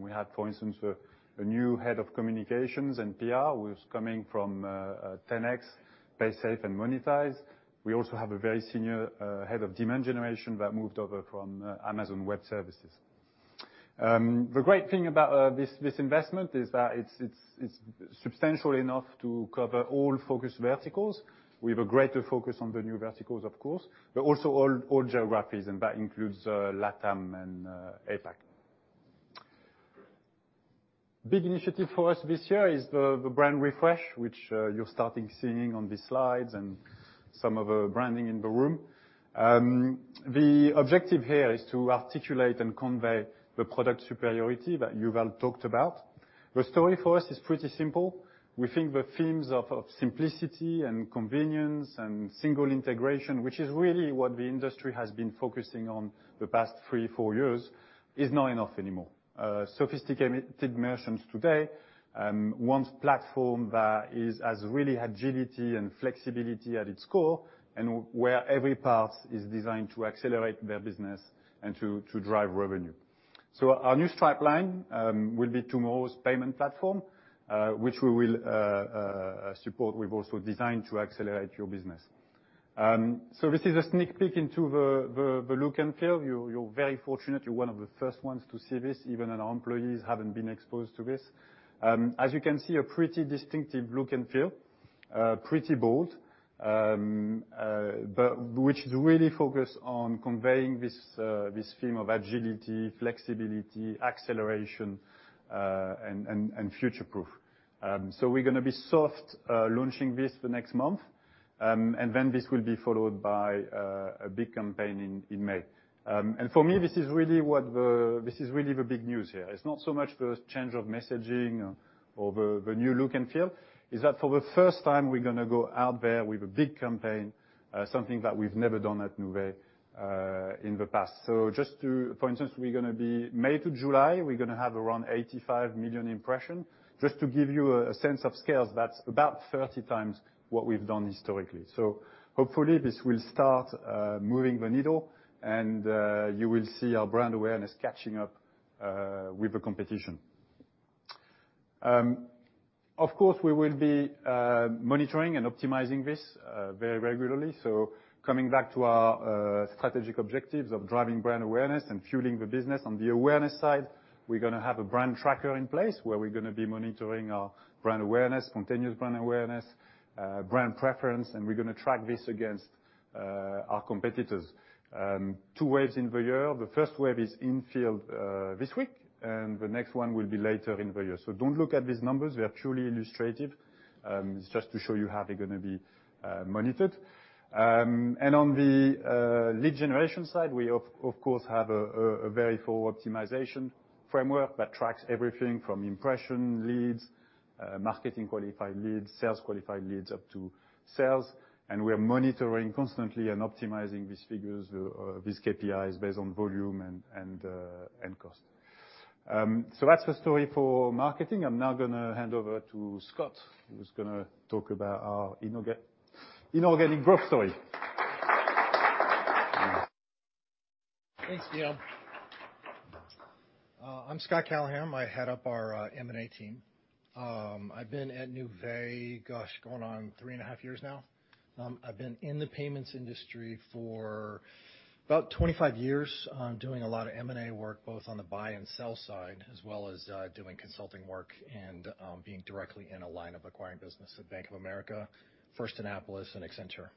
L: We had, for instance, a new head of communications and PR, who is coming from 10x, Paysafe, and Monitise. We also have a very senior head of demand generation that moved over from Amazon Web Services. The great thing about this investment is that it's substantial enough to cover all focus verticals. We have a greater focus on the new verticals, of course, but also all geographies, and that includes LATAM and APAC. Big initiative for us this year is the brand refresh, which you're starting to see on these slides and some of the branding in the room. The objective here is to articulate and convey the product superiority that Yuval talked about. The story for us is pretty simple. We think the themes of simplicity and convenience and single integration, which is really what the industry has been focusing on the past three, four years, is not enough anymore. Sophisticated merchants today want a platform that has real agility and flexibility at its core and where every part is designed to accelerate their business and to drive revenue. Our new stripe line will be tomorrow's payment platform, which we will support. We've also designed to accelerate your business. This is a sneak peek into the look and feel. You're very fortunate. You're one of the first ones to see this, even employees haven't been exposed to this. As you can see, a pretty distinctive look and feel, pretty bold, but which is really focused on conveying this theme of agility, flexibility, acceleration, and future-proof. We're gonna be soft launching this the next month, and then this will be followed by a big campaign in May. For me, this is really the big news here. It's not so much the change of messaging or the new look and feel. For the first time, we're gonna go out there with a big campaign, something that we've never done at Nuvei in the past. For instance, we're gonna be May to July, we're gonna have around 85 million impressions. Just to give you a sense of scale, that's about 30 times what we've done historically. Hopefully, this will start moving the needle, and you will see our brand awareness catching up with the competition. Of course, we will be monitoring and optimizing this very regularly. Coming back to our strategic objectives of driving brand awareness and fueling the business. On the awareness side, we're gonna have a brand tracker in place where we're gonna be monitoring our brand awareness, continuous brand awareness, brand preference, and we're gonna track this against our competitors. Two waves in the year. The first wave is in field this week, and the next one will be later in the year. Don't look at these numbers. They are purely illustrative. It's just to show you how they're gonna be monitored. On the lead generation side, we of course have a very full optimization framework that tracks everything from impression leads, marketing qualified leads, sales qualified leads up to sales, and we are monitoring constantly and optimizing these figures or these KPIs based on volume and cost. That's the story for marketing. I'm now gonna hand over to Scott, who's gonna talk about our inorganic growth story.
M: Thanks, Guillaume. I'm Scott Calliham. I head up our M&A team. I've been at Nuvei, going on three and a half years now. I've been in the payments industry for about 25 years, doing a lot of M&A work, both on the buy and sell side, as well as doing consulting work and being directly in a line of acquiring business at Bank of America, First Annapolis, and Accenture.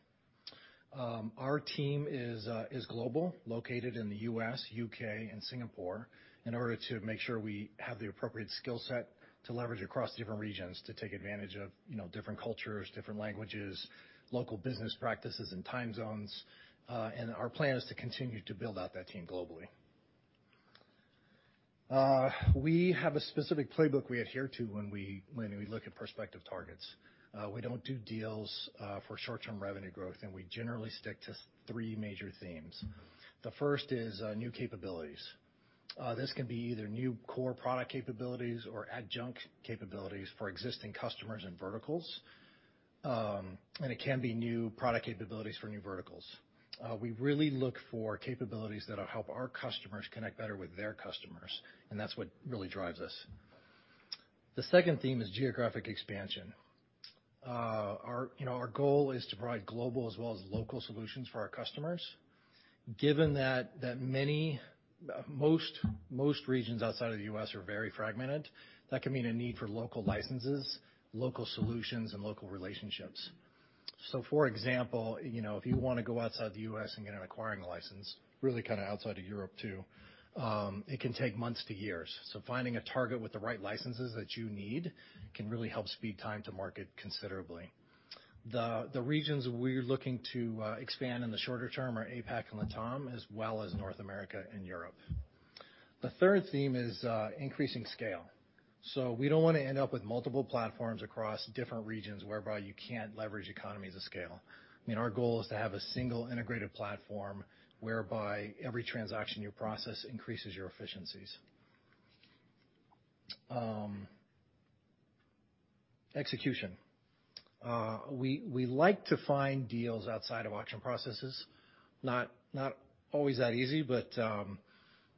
M: Our team is global, located in the U.S., U.K., and Singapore in order to make sure we have the appropriate skill set to leverage across different regions to take advantage of, you know, different cultures, different languages, local business practices and time zones, and our plan is to continue to build out that team globally. We have a specific playbook we adhere to when we look at prospective targets. We don't do deals for short-term revenue growth, and we generally stick to three major themes. The first is new capabilities. This can be either new core product capabilities or adjunct capabilities for existing customers and verticals, and it can be new product capabilities for new verticals. We really look for capabilities that'll help our customers connect better with their customers, and that's what really drives us. The second theme is geographic expansion. Our goal is to provide global as well as local solutions for our customers. Given that, most regions outside of the U.S. are very fragmented, that can mean a need for local licenses, local solutions, and local relationships. For example, you know, if you wanna go outside the U.S. and get an acquiring license, really kinda outside of Europe too, it can take months to years. Finding a target with the right licenses that you need can really help speed time to market considerably. The regions we're looking to expand in the shorter term are APAC and LATAM, as well as North America and Europe. The third theme is increasing scale. We don't wanna end up with multiple platforms across different regions whereby you can't leverage economies of scale. I mean, our goal is to have a single integrated platform whereby every transaction you process increases your efficiencies. Execution. We like to find deals outside of auction processes. Not always that easy, but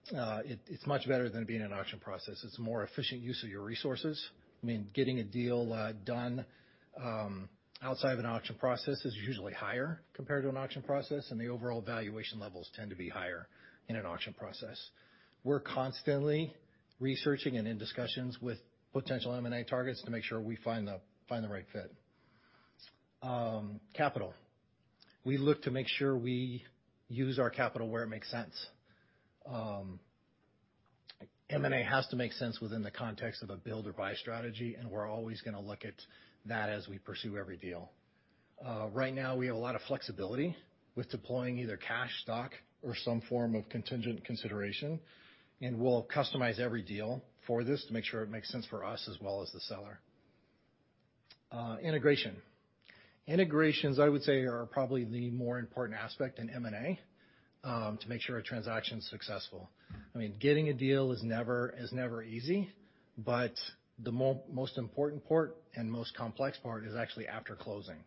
M: it's much better than being an auction process. It's a more efficient use of your resources. I mean, getting a deal done outside of an auction process is usually higher compared to an auction process, and the overall valuation levels tend to be higher in an auction process. We're constantly researching and in discussions with potential M&A targets to make sure we find the right fit. Capital. We look to make sure we use our capital where it makes sense. M&A has to make sense within the context of a build or buy strategy, and we're always gonna look at that as we pursue every deal. Right now we have a lot of flexibility with deploying either cash, stock, or some form of contingent consideration, and we'll customize every deal for this to make sure it makes sense for us as well as the seller. Integration. Integrations, I would say, are probably the more important aspect in M&A, to make sure a transaction's successful. I mean, getting a deal is never easy, but the most important part and most complex part is actually after closing.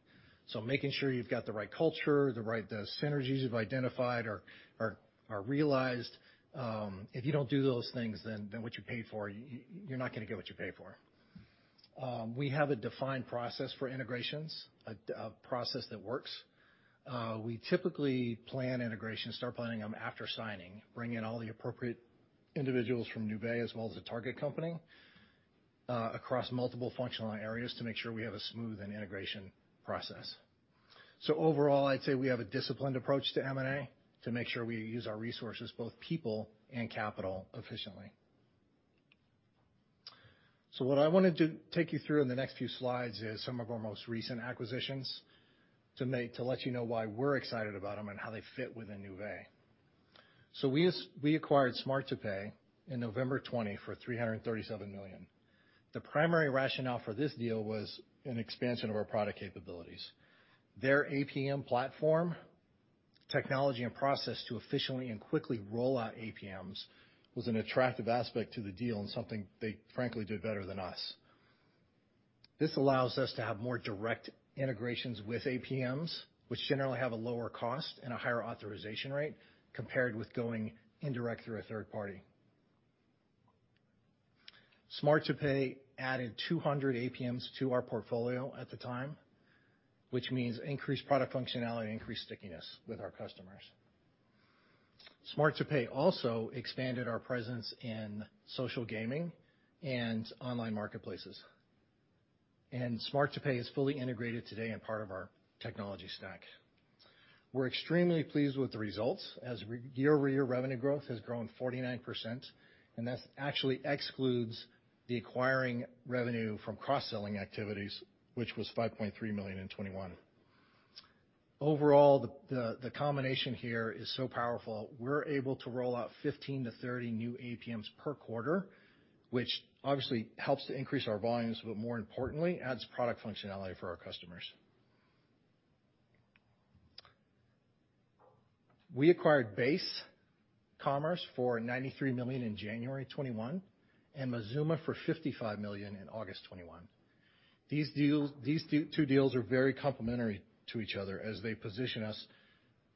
M: Making sure you've got the right culture, the right, the synergies you've identified are realized. If you don't do those things, then what you pay for, you're not gonna get what you pay for. We have a defined process for integrations, a process that works. We typically plan integrations, start planning them after signing, bring in all the appropriate individuals from Nuvei as well as the target company, across multiple functional areas to make sure we have a smooth integration process. Overall, I'd say we have a disciplined approach to M&A to make sure we use our resources, both people and capital, efficiently. What I wanted to take you through in the next few slides is some of our most recent acquisitions to let you know why we're excited about them and how they fit within Nuvei. We acquired Smart2Pay in November 2020 for $337 million. The primary rationale for this deal was an expansion of our product capabilities. Their APM platform, technology, and process to efficiently and quickly roll out APMs was an attractive aspect to the deal and something they frankly did better than us. This allows us to have more direct integrations with APMs, which generally have a lower cost and a higher authorization rate compared with going indirect through a third party. Smart2Pay added 200 APMs to our portfolio at the time, which means increased product functionality and increased stickiness with our customers. Smart2Pay also expanded our presence in social gaming and online marketplaces. Smart2Pay is fully integrated today and part of our technology stack. We're extremely pleased with the results as year-over-year revenue growth has grown 49%, and that actually excludes the acquiring revenue from cross-selling activities, which was $5.3 million in 2021. Overall, the combination here is so powerful. We're able to roll out 15-30 new APMs per quarter, which obviously helps to increase our volumes, but more importantly, adds product functionality for our customers. We acquired Base Commerce for $93 million in January 2021, and Mazooma for $55 million in August 2021. These two deals are very complementary to each other as they position us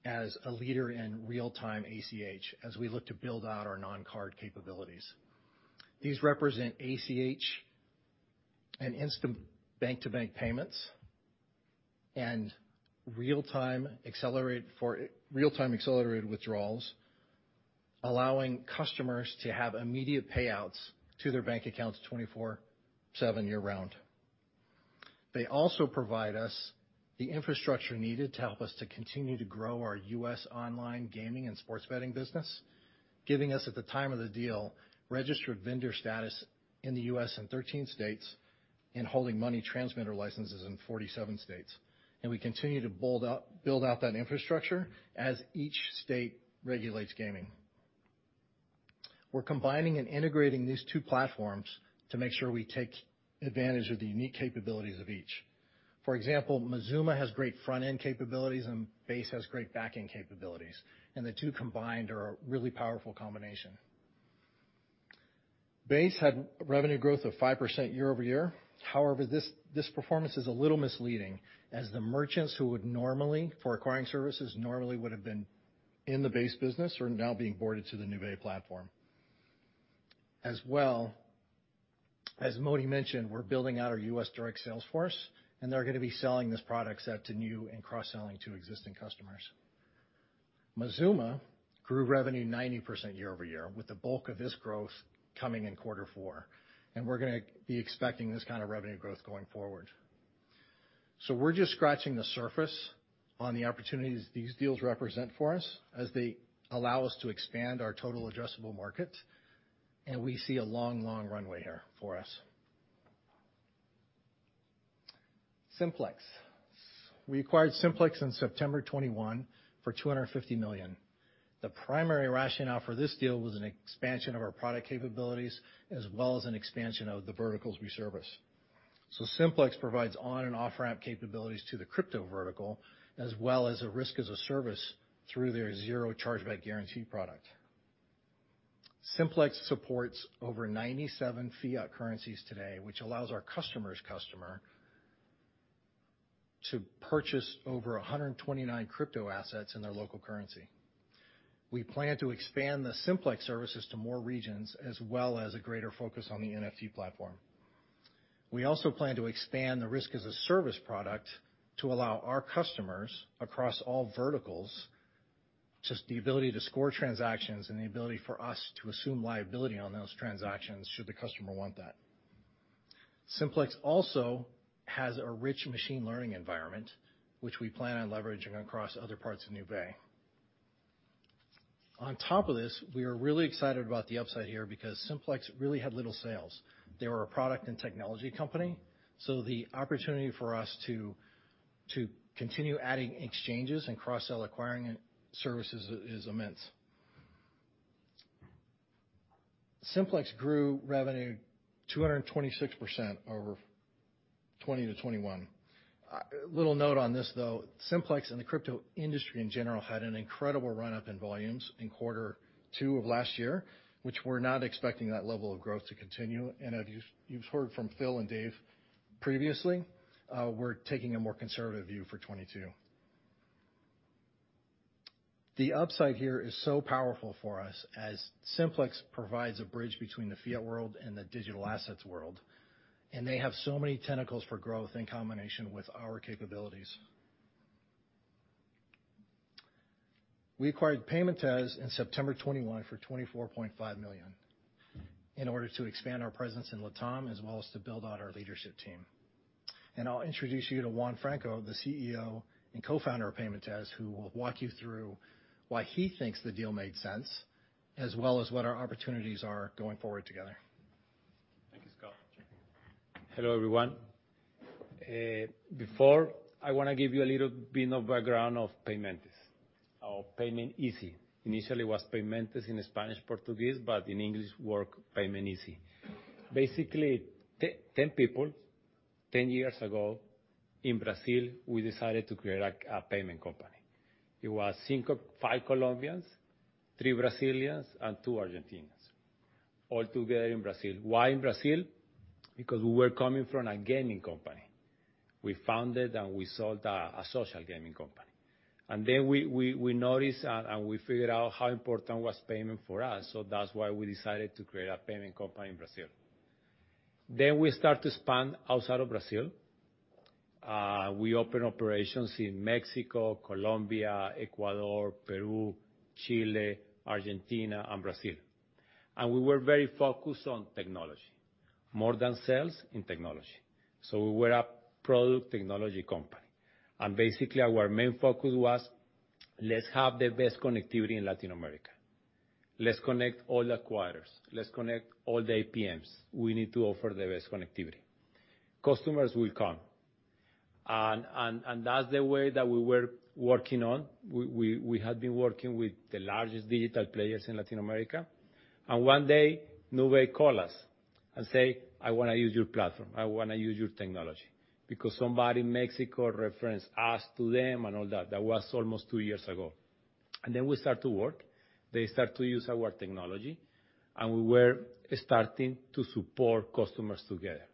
M: as a leader in real-time ACH as we look to build out our non-card capabilities. These represent ACH and instant bank-to-bank payments and real-time accelerated withdrawals, allowing customers to have immediate payouts to their bank accounts 24/7 year-round. They also provide us the infrastructure needed to help us to continue to grow our U.S. online gaming and sports betting business, giving us at the time of the deal, registered vendor status in the U.S. and 13 states, holding money transmitter licenses in 47 states. We continue to build out that infrastructure as each state regulates gaming. We're combining and integrating these two platforms to make sure we take advantage of the unique capabilities of each. For example, Mazooma has great front-end capabilities and Base has great back-end capabilities, and the two combined are a really powerful combination. Base had revenue growth of 5% year-over-year. However, this performance is a little misleading, as the merchants who would normally, for acquiring services, would've been in the Base business are now being boarded to the Nuvei platform. As well, as Modi mentioned, we're building out our U.S. direct sales force, and they're gonna be selling this product set to new and cross-selling to existing customers. Mazooma grew revenue 90% year-over-year, with the bulk of this growth coming in quarter four. We're gonna be expecting this kind of revenue growth going forward. We're just scratching the surface on the opportunities these deals represent for us as they allow us to expand our total addressable market, and we see a long, long runway here for us. Simplex. We acquired Simplex in September 2021 for $250 million. The primary rationale for this deal was an expansion of our product capabilities as well as an expansion of the verticals we service. Simplex provides on and off-ramp capabilities to the crypto vertical, as well as a risk as a service through their zero chargeback guarantee product. Simplex supports over 97 fiat currencies today, which allows our customer's customer to purchase over 129 crypto assets in their local currency. We plan to expand the Simplex services to more regions as well as a greater focus on the NFT platform. We also plan to expand the risk-as-a-service product to allow our customers across all verticals, just the ability to score transactions and the ability for us to assume liability on those transactions should the customer want that. Simplex also has a rich machine learning environment, which we plan on leveraging across other parts of Nuvei. On top of this, we are really excited about the upside here because Simplex really had little sales. They were a product and technology company, so the opportunity for us to continue adding exchanges and cross-sell acquiring services is immense. Simplex grew revenue 226% over 2020 to 2021. Little note on this though, Simplex and the crypto industry in general had an incredible run-up in volumes in quarter two of last year, which we're not expecting that level of growth to continue. As you've heard from Phil and Dave previously, we're taking a more conservative view for 2022. The upside here is so powerful for us as Simplex provides a bridge between the fiat world and the digital assets world, and they have so many tentacles for growth in combination with our capabilities. We acquired Paymentez in September 2021 for $24.5 million in order to expand our presence in Latam as well as to build out our leadership team. I'll introduce you to Juan Franco, the CEO and Co-founder of Paymentez, who will walk you through why he thinks the deal made sense as well as what our opportunities are going forward together.
N: Thank you, Scott. Hello, everyone. Before I want to give you a little bit of background of Paymentez or Payment Easy. Initially it was Paymentez in Spanish, Portuguese, but in English it's Payment Easy. Basically 10 people 10 years ago in Brazil, we decided to create a payment company. It was five Colombians, three Brazilians and two Argentinians, all together in Brazil. Why in Brazil? Because we were coming from a gaming company. We founded and we sold a social gaming company. Then we noticed and we figured out how important was payment for us, so that's why we decided to create a payment company in Brazil. Then we start to expand outside of Brazil. We opened operations in Mexico, Colombia, Ecuador, Peru, Chile, Argentina, and Brazil. We were very focused on technology, more than sales in technology. We were a product technology company. Basically, our main focus was let's have the best connectivity in Latin America. Let's connect all the acquirers. Let's connect all the APMs. We need to offer the best connectivity. Customers will come. and that's the way that we were working on. We had been working with the largest digital players in Latin America. One day, Nuvei call us and say, "I wanna use your platform. I wanna use your technology." Because somebody in Mexico referenced us to them and all that. That was almost two years ago. Then we start to work. They start to use our technology. We were starting to support customers together.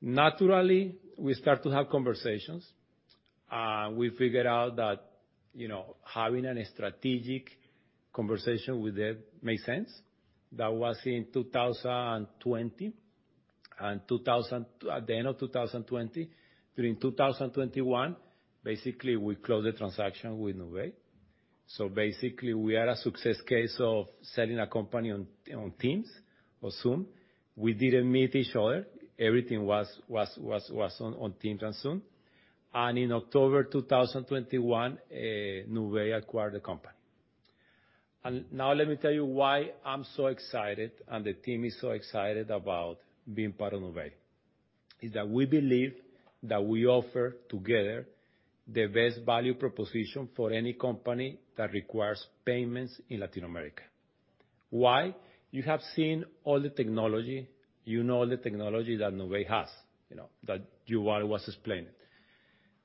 N: Naturally, we start to have conversations. We figured out that, you know, having a strategic conversation with them made sense. That was in 2020. At the end of 2020. During 2021, basically, we closed the transaction with Nuvei. Basically, we are a success case of selling a company on Teams or Zoom. We didn't meet each other. Everything was on Teams and Zoom. In October 2021, Nuvei acquired the company. Now let me tell you why I'm so excited and the team is so excited about being part of Nuvei. Is that we believe that we offer together the best value proposition for any company that requires payments in Latin America. Why? You have seen all the technology, you know the technology that Nuvei has, you know, that Juan was explaining.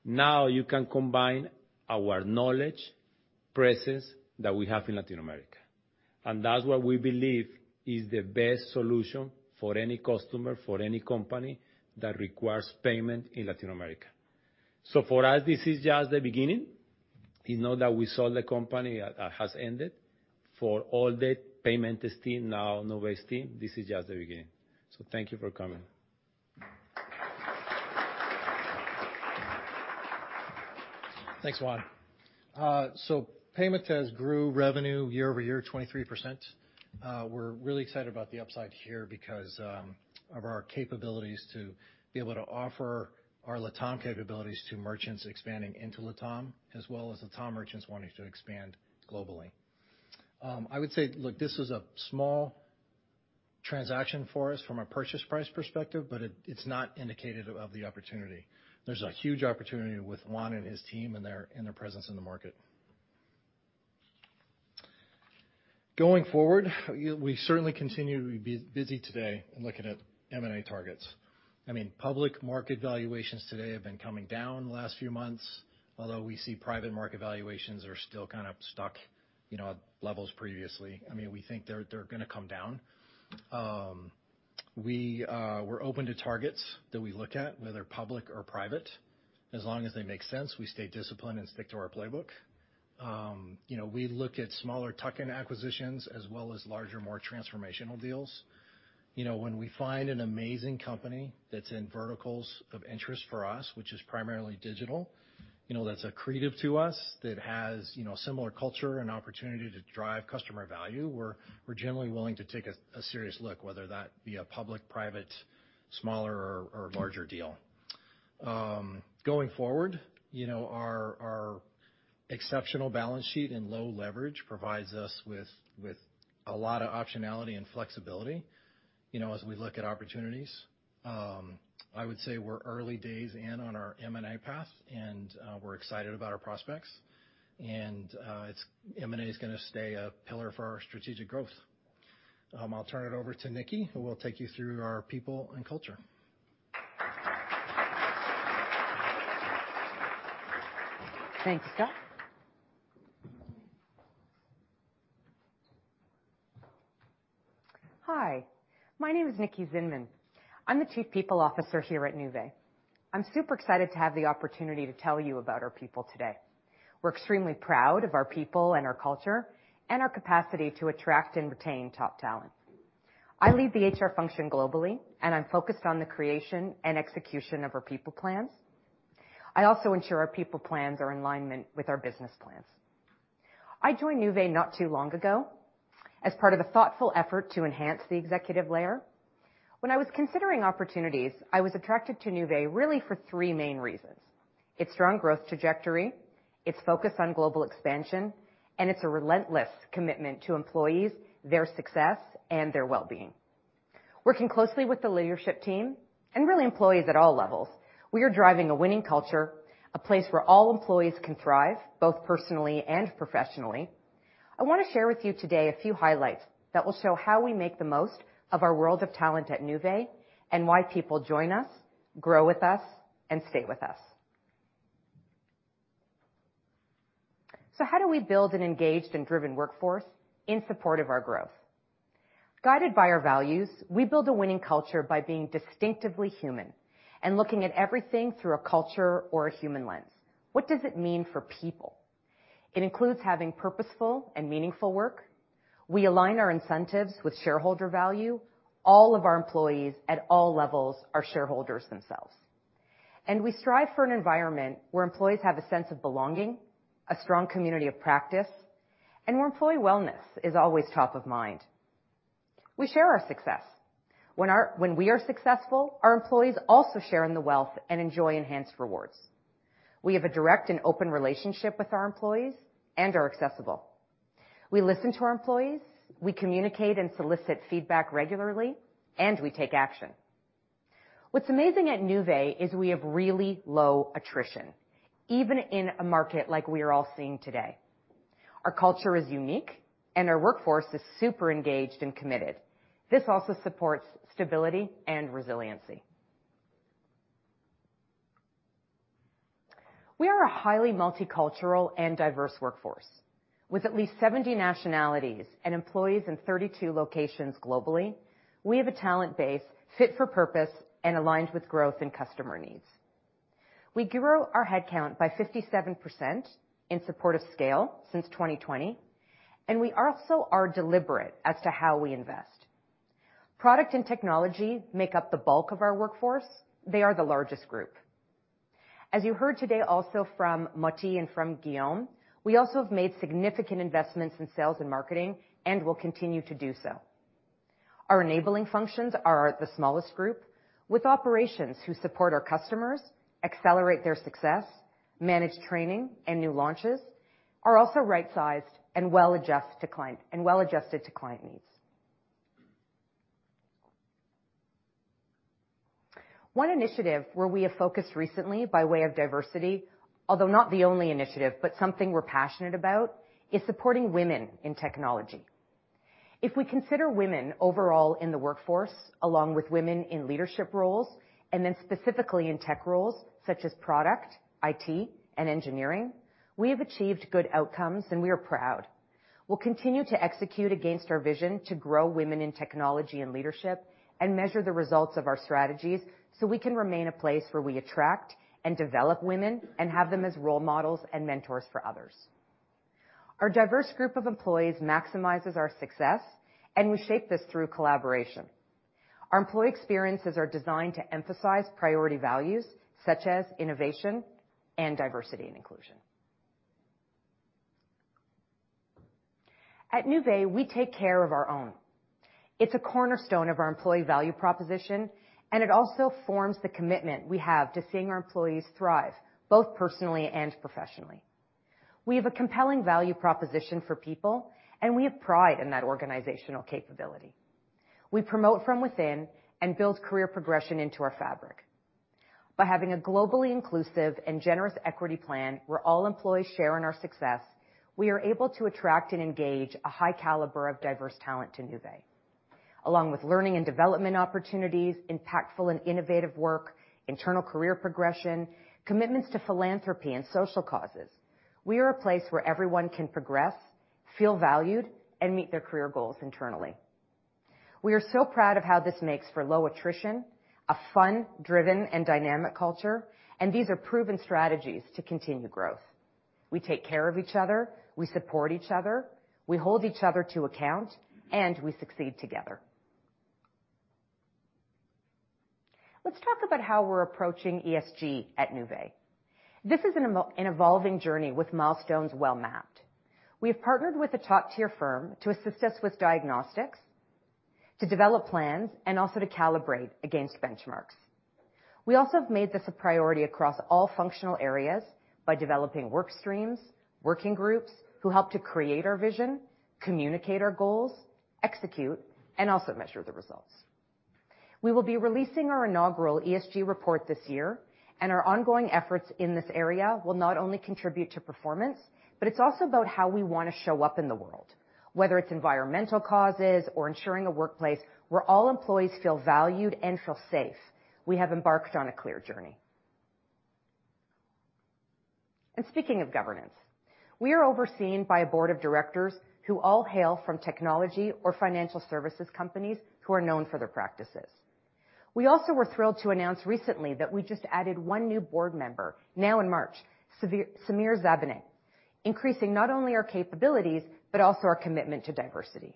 N: Now you can combine our knowledge, presence that we have in Latin America, and that's what we believe is the best solution for any customer, for any company that requires payment in Latin America. For us, this is just the beginning. You know that we sold the company, has ended. For all the Paymentez team, now Nuvei's team, this is just the beginning. Thank you for coming.
M: Thanks, Juan. So Paymentez grew revenue year-over-year 23%. We're really excited about the upside here because of our capabilities to be able to offer our LATAM capabilities to merchants expanding into LATAM, as well as LATAM merchants wanting to expand globally. I would say, look, this is a small transaction for us from a purchase price perspective, but it's not indicative of the opportunity. There's a huge opportunity with Juan and his team and their presence in the market. Going forward, we certainly continue to be busy today in looking at M&A targets. I mean, public market valuations today have been coming down the last few months, although we see private market valuations are still kind of stuck, you know, at levels previously. I mean, we think they're gonna come down. We're open to targets that we look at, whether public or private. As long as they make sense, we stay disciplined and stick to our playbook. You know, we look at smaller tuck-in acquisitions as well as larger, more transformational deals. You know, when we find an amazing company that's in verticals of interest for us, which is primarily digital, you know, that's accretive to us, that has, you know, similar culture and opportunity to drive customer value, we're generally willing to take a serious look, whether that be a public, private, smaller or larger deal. Going forward, you know, our exceptional balance sheet and low leverage provides us with a lot of optionality and flexibility, you know, as we look at opportunities. I would say we're in early days on our M&A path and we're excited about our prospects and M&A's gonna stay a pillar for our strategic growth. I'll turn it over to Nikki, who will take you through our people and culture.
O: Thanks, Scott. Hi, my name is Nikki Zinman. I'm the Chief People Officer here at Nuvei. I'm super excited to have the opportunity to tell you about our people today. We're extremely proud of our people and our culture and our capacity to attract and retain top talent. I lead the HR function globally, and I'm focused on the creation and execution of our people plans. I also ensure our people plans are in alignment with our business plans. I joined Nuvei not too long ago as part of the thoughtful effort to enhance the executive layer. When I was considering opportunities, I was attracted to Nuvei really for three main reasons. Its strong growth trajectory, its focus on global expansion, and it's a relentless commitment to employees, their success, and their wellbeing. Working closely with the leadership team and really employees at all levels, we are driving a winning culture, a place where all employees can thrive, both personally and professionally. I wanna share with you today a few highlights that will show how we make the most of our world of talent at Nuvei and why people join us, grow with us, and stay with us. How do we build an engaged and driven workforce in support of our growth? Guided by our values, we build a winning culture by being distinctively human and looking at everything through a culture or a human lens. What does it mean for people? It includes having purposeful and meaningful work. We align our incentives with shareholder value. All of our employees at all levels are shareholders themselves. We strive for an environment where employees have a sense of belonging, a strong community of practice, and where employee wellness is always top of mind. We share our success. When we are successful, our employees also share in the wealth and enjoy enhanced rewards. We have a direct and open relationship with our employees and are accessible. We listen to our employees, we communicate and solicit feedback regularly, and we take action. What's amazing at Nuvei is we have really low attrition, even in a market like we are all seeing today. Our culture is unique and our workforce is super engaged and committed. This also supports stability and resiliency. We are a highly multicultural and diverse workforce. With at least 70 nationalities and employees in 32 locations globally, we have a talent base fit for purpose and aligned with growth and customer needs. We grew our headcount by 57% in support of scale since 2020, and we also are deliberate as to how we invest. Product and technology make up the bulk of our workforce. They are the largest group. As you heard today also from Motie and from Guillaume, we also have made significant investments in sales and marketing and will continue to do so. Our enabling functions are the smallest group, with operations who support our customers, accelerate their success, manage training and new launches are also right-sized and well-adjusted to client needs. One initiative where we have focused recently by way of diversity, although not the only initiative, but something we're passionate about, is supporting women in technology. If we consider women overall in the workforce, along with women in leadership roles, and then specifically in tech roles such as product, IT, and engineering, we have achieved good outcomes, and we are proud. We'll continue to execute against our vision to grow women in technology and leadership and measure the results of our strategies so we can remain a place where we attract and develop women and have them as role models and mentors for others. Our diverse group of employees maximizes our success, and we shape this through collaboration. Our employee experiences are designed to emphasize priority values such as innovation and diversity and inclusion. At Nuvei, we take care of our own. It's a cornerstone of our employee value proposition, and it also forms the commitment we have to seeing our employees thrive, both personally and professionally. We have a compelling value proposition for people, and we have pride in that organizational capability. We promote from within and build career progression into our fabric. By having a globally inclusive and generous equity plan where all employees share in our success, we are able to attract and engage a high caliber of diverse talent to Nuvei. Along with learning and development opportunities, impactful and innovative work, internal career progression, commitments to philanthropy and social causes, we are a place where everyone can progress, feel valued, and meet their career goals internally. We are so proud of how this makes for low attrition, a fun, driven, and dynamic culture, and these are proven strategies to continue growth. We take care of each other, we support each other, we hold each other to account, and we succeed together. Let's talk about how we're approaching ESG at Nuvei. This is an evolving journey with milestones well-mapped. We have partnered with a top-tier firm to assist us with diagnostics, to develop plans, and also to calibrate against benchmarks. We also have made this a priority across all functional areas by developing work streams, working groups who help to create our vision, communicate our goals, execute, and also measure the results. We will be releasing our inaugural ESG report this year, and our ongoing efforts in this area will not only contribute to performance, but it's also about how we wanna show up in the world, whether it's environmental causes or ensuring a workplace where all employees feel valued and feel safe. We have embarked on a clear journey. Speaking of governance, we are overseen by a board of directors who all hail from technology or financial services companies who are known for their practices. We also were thrilled to announce recently that we just added one new board member, now in March, Samir Zabaneh, increasing not only our capabilities but also our commitment to diversity.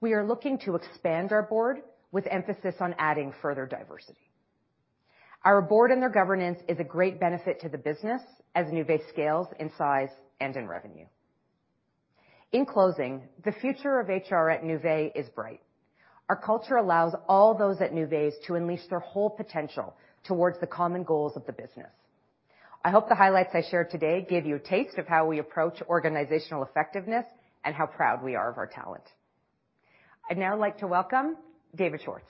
O: We are looking to expand our board with emphasis on adding further diversity. Our board and their governance is a great benefit to the business as Nuvei scales in size and in revenue. In closing, the future of HR at Nuvei is bright. Our culture allows all those at Nuvei to unleash their whole potential towards the common goals of the business. I hope the highlights I shared today gave you a taste of how we approach organizational effectiveness and how proud we are of our talent. I'd now like to welcome David Schwartz.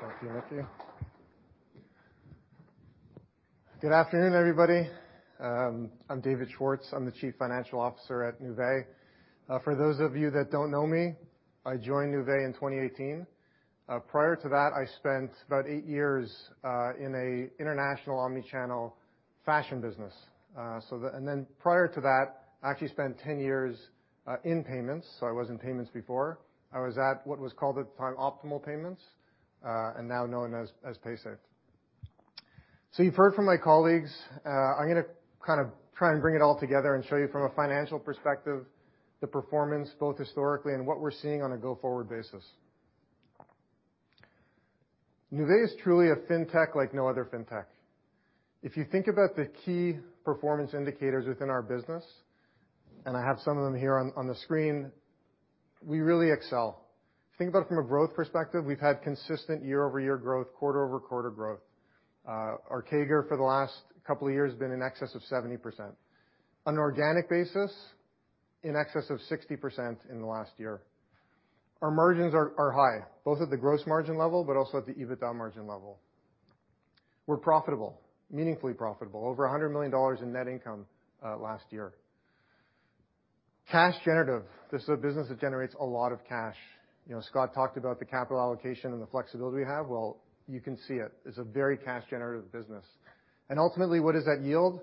P: Talk to you in a few. Good afternoon, everybody. I'm David Schwartz. I'm the Chief Financial Officer at Nuvei. For those of you that don't know me, I joined Nuvei in 2018. Prior to that, I spent about 8 years in an international omni-channel fashion business. Then prior to that, I actually spent 10 years in payments, so I was in payments before. I was at what was called at the time Optimal Payments, and now known as Paysafe. You've heard from my colleagues. I'm gonna kind of try and bring it all together and show you from a financial perspective the performance, both historically and what we're seeing on a go-forward basis. Nuvei is truly a fintech like no other fintech. If you think about the key performance indicators within our business, and I have some of them here on the screen, we really excel. If you think about it from a growth perspective, we've had consistent year-over-year growth, quarter-over-quarter growth. Our CAGR for the last couple of years has been in excess of 70%. On an organic basis, in excess of 60% in the last year. Our margins are high, both at the gross margin level but also at the EBITDA margin level. We're profitable, meaningfully profitable, over $100 million in net income last year. Cash generative. This is a business that generates a lot of cash. You know, Scott talked about the capital allocation and the flexibility we have. Well, you can see it. It's a very cash generative business. Ultimately, what does that yield?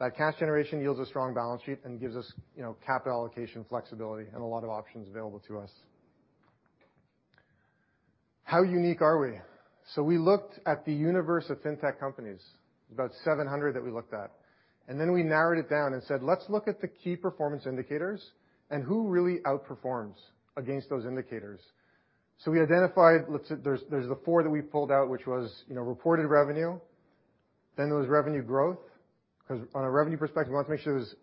P: That cash generation yields a strong balance sheet and gives us, you know, capital allocation flexibility and a lot of options available to us. How unique are we? We looked at the universe of fintech companies, about 700 that we looked at, and then we narrowed it down and said, "Let's look at the key performance indicators and who really outperforms against those indicators." We identified, let's say, there's the four that we pulled out, which was, you know, reported revenue. Then there was revenue growth, because on a revenue perspective, we want to make sure there's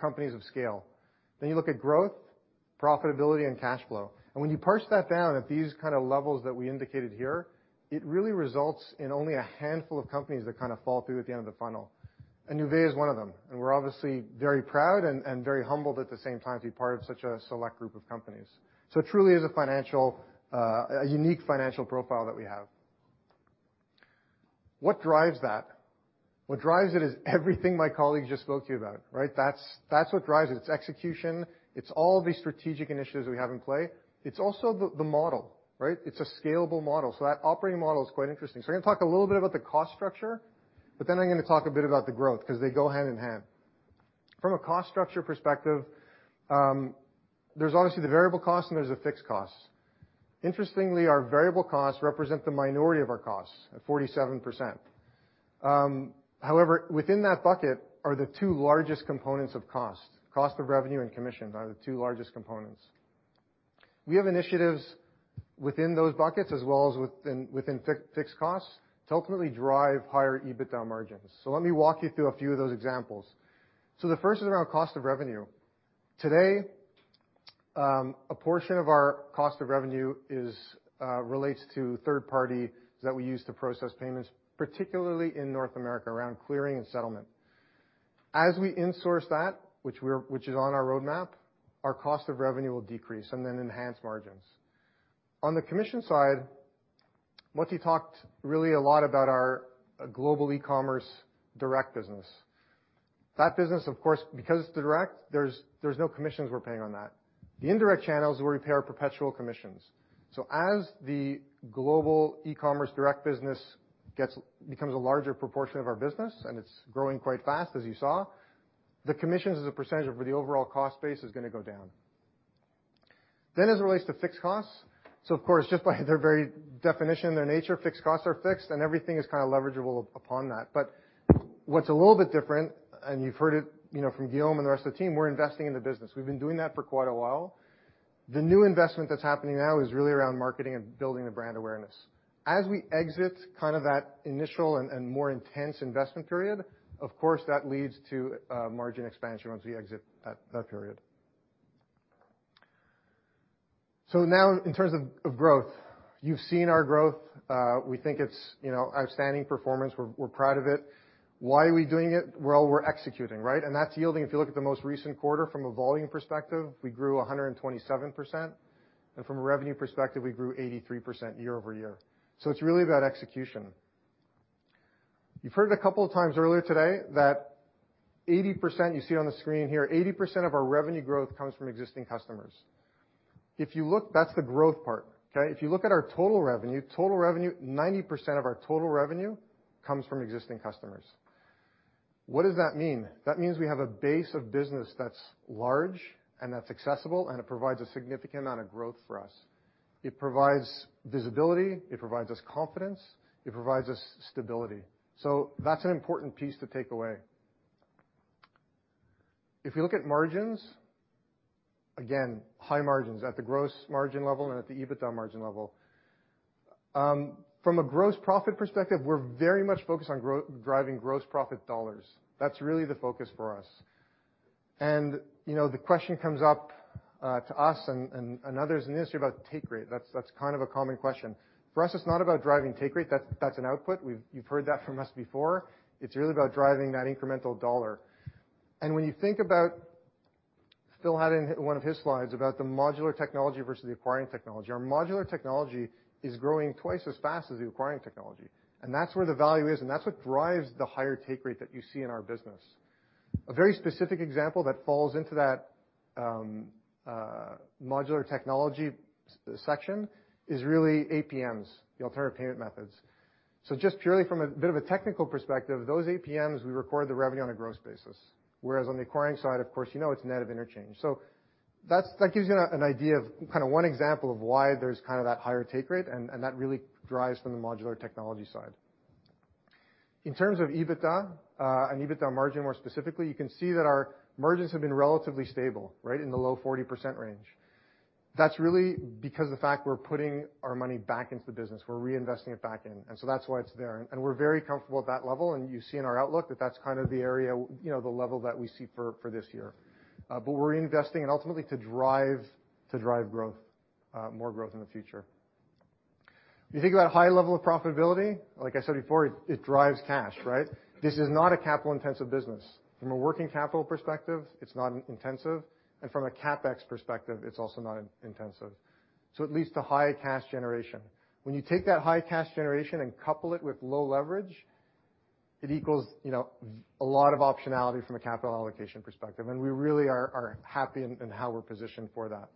P: companies of scale. Then you look at growth, profitability, and cash flow. When you parse that down at these kind of levels that we indicated here, it really results in only a handful of companies that kind of fall through at the end of the funnel. Nuvei is one of them, and we're obviously very proud and very humbled at the same time to be part of such a select group of companies. It truly is a financial, a unique financial profile that we have. What drives that? What drives it is everything my colleague just spoke to you about, right? That's what drives it. It's execution. It's all of these strategic initiatives we have in play. It's also the model, right? It's a scalable model. That operating model is quite interesting. We're gonna talk a little bit about the cost structure, but then I'm gonna talk a bit about the growth 'cause they go hand in hand. From a cost structure perspective, there's obviously the variable cost, and there's the fixed costs. Interestingly, our variable costs represent the minority of our costs at 47%. However, within that bucket are the two largest components of cost. Cost of revenue and commission are the two largest components. We have initiatives within those buckets as well as within fixed costs to ultimately drive higher EBITDA margins. Let me walk you through a few of those examples. The first is around cost of revenue. Today, a portion of our cost of revenue relates to third party that we use to process payments, particularly in North America, around clearing and settlement. As we insource that, which is on our roadmap, our cost of revenue will decrease and then enhance margins. On the commission side, Motie talked really a lot about our global e-commerce direct business. That business, of course, because it's the direct, there's no commissions we're paying on that. The indirect channels is where we pay our perpetual commissions. As the global e-commerce direct business becomes a larger proportion of our business, and it's growing quite fast, as you saw, the commissions as a percentage of the overall cost base is gonna go down. As it relates to fixed costs, so of course, just by their very definition, their nature, fixed costs are fixed, and everything is kind of leverageable upon that. What's a little bit different, and you've heard it, you know, from Guillaume and the rest of the team, we're investing in the business. We've been doing that for quite a while. The new investment that's happening now is really around marketing and building the brand awareness. As we exit kind of that initial and more intense investment period, of course, that leads to margin expansion once we exit that period. Now in terms of growth, you've seen our growth. We think it's, you know, outstanding performance. We're proud of it. Why are we doing it? Well, we're executing, right? That's yielding, if you look at the most recent quarter from a volume perspective, we grew 127%. From a revenue perspective, we grew 83% year-over-year. It's really about execution. You've heard it a couple of times earlier today that 80%, you see on the screen here, 80% of our revenue growth comes from existing customers. If you look, that's the growth part, okay? If you look at our total revenue, 90% of our total revenue comes from existing customers. What does that mean? That means we have a base of business that's large and that's accessible, and it provides a significant amount of growth for us. It provides visibility, it provides us confidence, it provides us stability. So that's an important piece to take away. If you look at margins, again, high margins at the gross margin level and at the EBITDA margin level. From a gross profit perspective, we're very much focused on driving gross profit dollars. That's really the focus for us. You know, the question comes up to us and others in the industry about take rate. That's kind of a common question. For us, it's not about driving take rate. That's an output. You've heard that from us before. It's really about driving that incremental dollar. When you think about Phil in one of his slides about the modular technology versus the acquiring technology. Our modular technology is growing twice as fast as the acquiring technology, and that's where the value is, and that's what drives the higher take rate that you see in our business. A very specific example that falls into that modular technology section is really APMs, the alternative payment methods. Just purely from a bit of a technical perspective, those APMs, we record the revenue on a gross basis, whereas on the acquiring side, of course, you know it's net of interchange. That gives you an idea of kind of one example of why there's kind of that higher take rate, and that really drives from the modular technology side. In terms of EBITDA and EBITDA margin, more specifically, you can see that our margins have been relatively stable, right? In the low 40% range. That's really because of the fact we're putting our money back into the business. We're reinvesting it back in, and so that's why it's there. We're very comfortable at that level, and you see in our outlook that that's kind of the area, you know, the level that we see for this year. We're reinvesting and ultimately to drive growth, more growth in the future. If you think about high level of profitability, like I said before, it drives cash, right? This is not a capital-intensive business. From a working capital perspective, it's not intensive, and from a CapEx perspective, it's also not in-intensive. So it leads to high cash generation. When you take that high cash generation and couple it with low leverage, it equals, you know, a lot of optionality from a capital allocation perspective, and we really are happy in how we're positioned for that.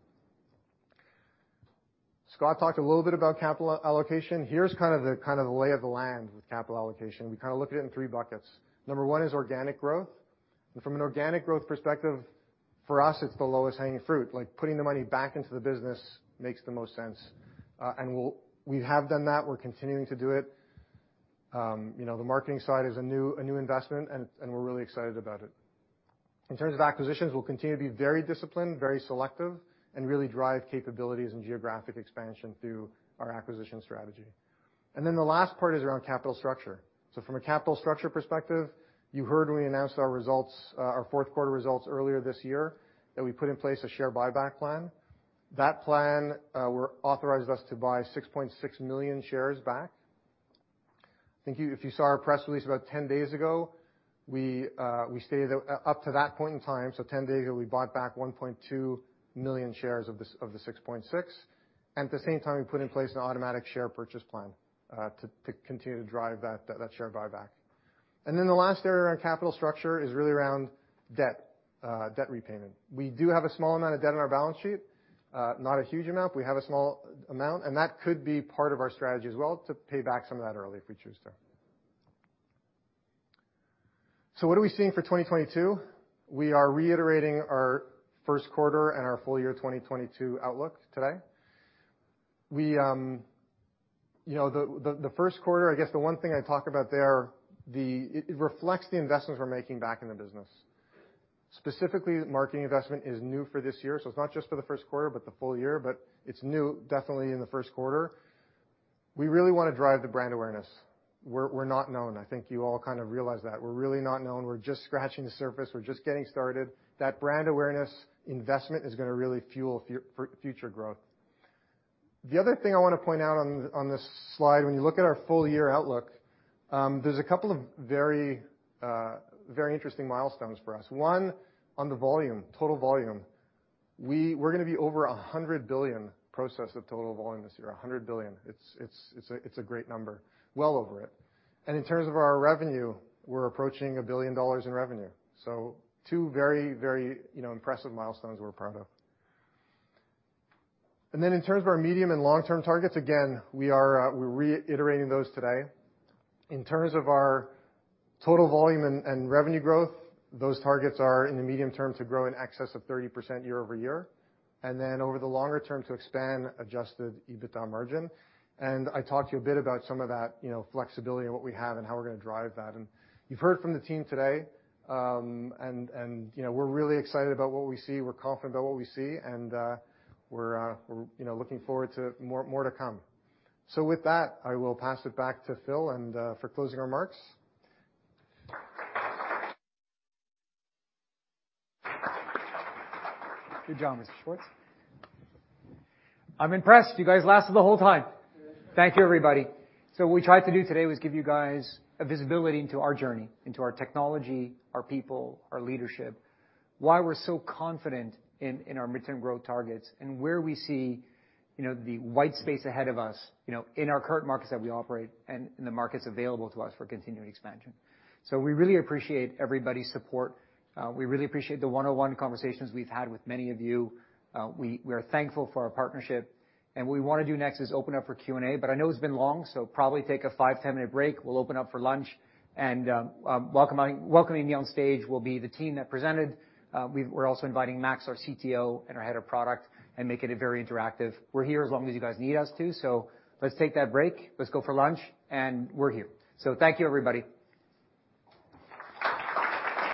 P: Scott talked a little bit about capital allocation. Here's kind of the lay of the land with capital allocation. We kind of look at it in three buckets. Number one is organic growth. From an organic growth perspective, for us, it's the lowest hanging fruit. Like, putting the money back into the business makes the most sense. We have done that. We're continuing to do it. You know, the marketing side is a new investment, and we're really excited about it. In terms of acquisitions, we'll continue to be very disciplined, very selective, and really drive capabilities and geographic expansion through our acquisition strategy. Then the last part is around capital structure. From a capital structure perspective, you heard when we announced our results, our fourth quarter results earlier this year, that we put in place a share buyback plan. That plan will authorize us to buy 6.6 million shares back. I think if you saw our press release about 10 days ago, we stated that up to that point in time, so 10 days ago, we bought back 1.2 million shares of the 6.6. At the same time, we put in place an automatic share purchase plan to continue to drive that share buyback. The last area around capital structure is really around debt repayment. We do have a small amount of debt on our balance sheet, not a huge amount. We have a small amount, and that could be part of our strategy as well to pay back some of that early if we choose to. What are we seeing for 2022? We are reiterating our first quarter and our full year 2022 outlook today. You know, the first quarter, I guess the one thing I'd talk about there, it reflects the investments we're making back in the business. Specifically, marketing investment is new for this year, so it's not just for the first quarter, but the full year, but it's new definitely in the first quarter. We really wanna drive the brand awareness. We're not known. I think you all kind of realize that. We're really not known. We're just scratching the surface. We're just getting started. That brand awareness investment is gonna really fuel future growth. The other thing I wanna point out on this slide, when you look at our full year outlook, there's a couple of very, very interesting milestones for us. One, on the volume, total volume, we're gonna be over 100 billion processed of total volume this year, 100 billion. It's a great number. Well over it. In terms of our revenue, we're approaching $1 billion in revenue. Two very, you know, impressive milestones we're proud of. Then in terms of our medium and long-term targets, again, we're reiterating those today. In terms of our total volume and revenue growth, those targets are in the medium term to grow in excess of 30% year-over-year, and then over the longer term to expand adjusted EBITDA margin. I talked to you a bit about some of that, you know, flexibility of what we have and how we're gonna drive that. You've heard from the team today, and, you know, we're really excited about what we see, we're confident about what we see, and we're, you know, looking forward to more to come. With that, I will pass it back to Phil for closing remarks.
B: Good job, Mr Schwartz. I'm impressed you guys lasted the whole time. Thank you, everybody. What we tried to do today was give you guys a visibility into our journey, into our technology, our people, our leadership, why we're so confident in our midterm growth targets, and where we see, you know, the white space ahead of us, you know, in our current markets that we operate and in the markets available to us for continuing expansion. We really appreciate everybody's support. We really appreciate the one-on-one conversations we've had with many of you. We are thankful for our partnership, and what we wanna do next is open up for Q and A, but I know it's been long, so probably take a five- to 10-minute break. We'll open up for lunch and welcoming me on stage will be the team that presented. We're also inviting Max, our CTO, and our head of product and make it very interactive. We're here as long as you guys need us to. Let's take that break, let's go for lunch, and we're here. Thank you, everybody.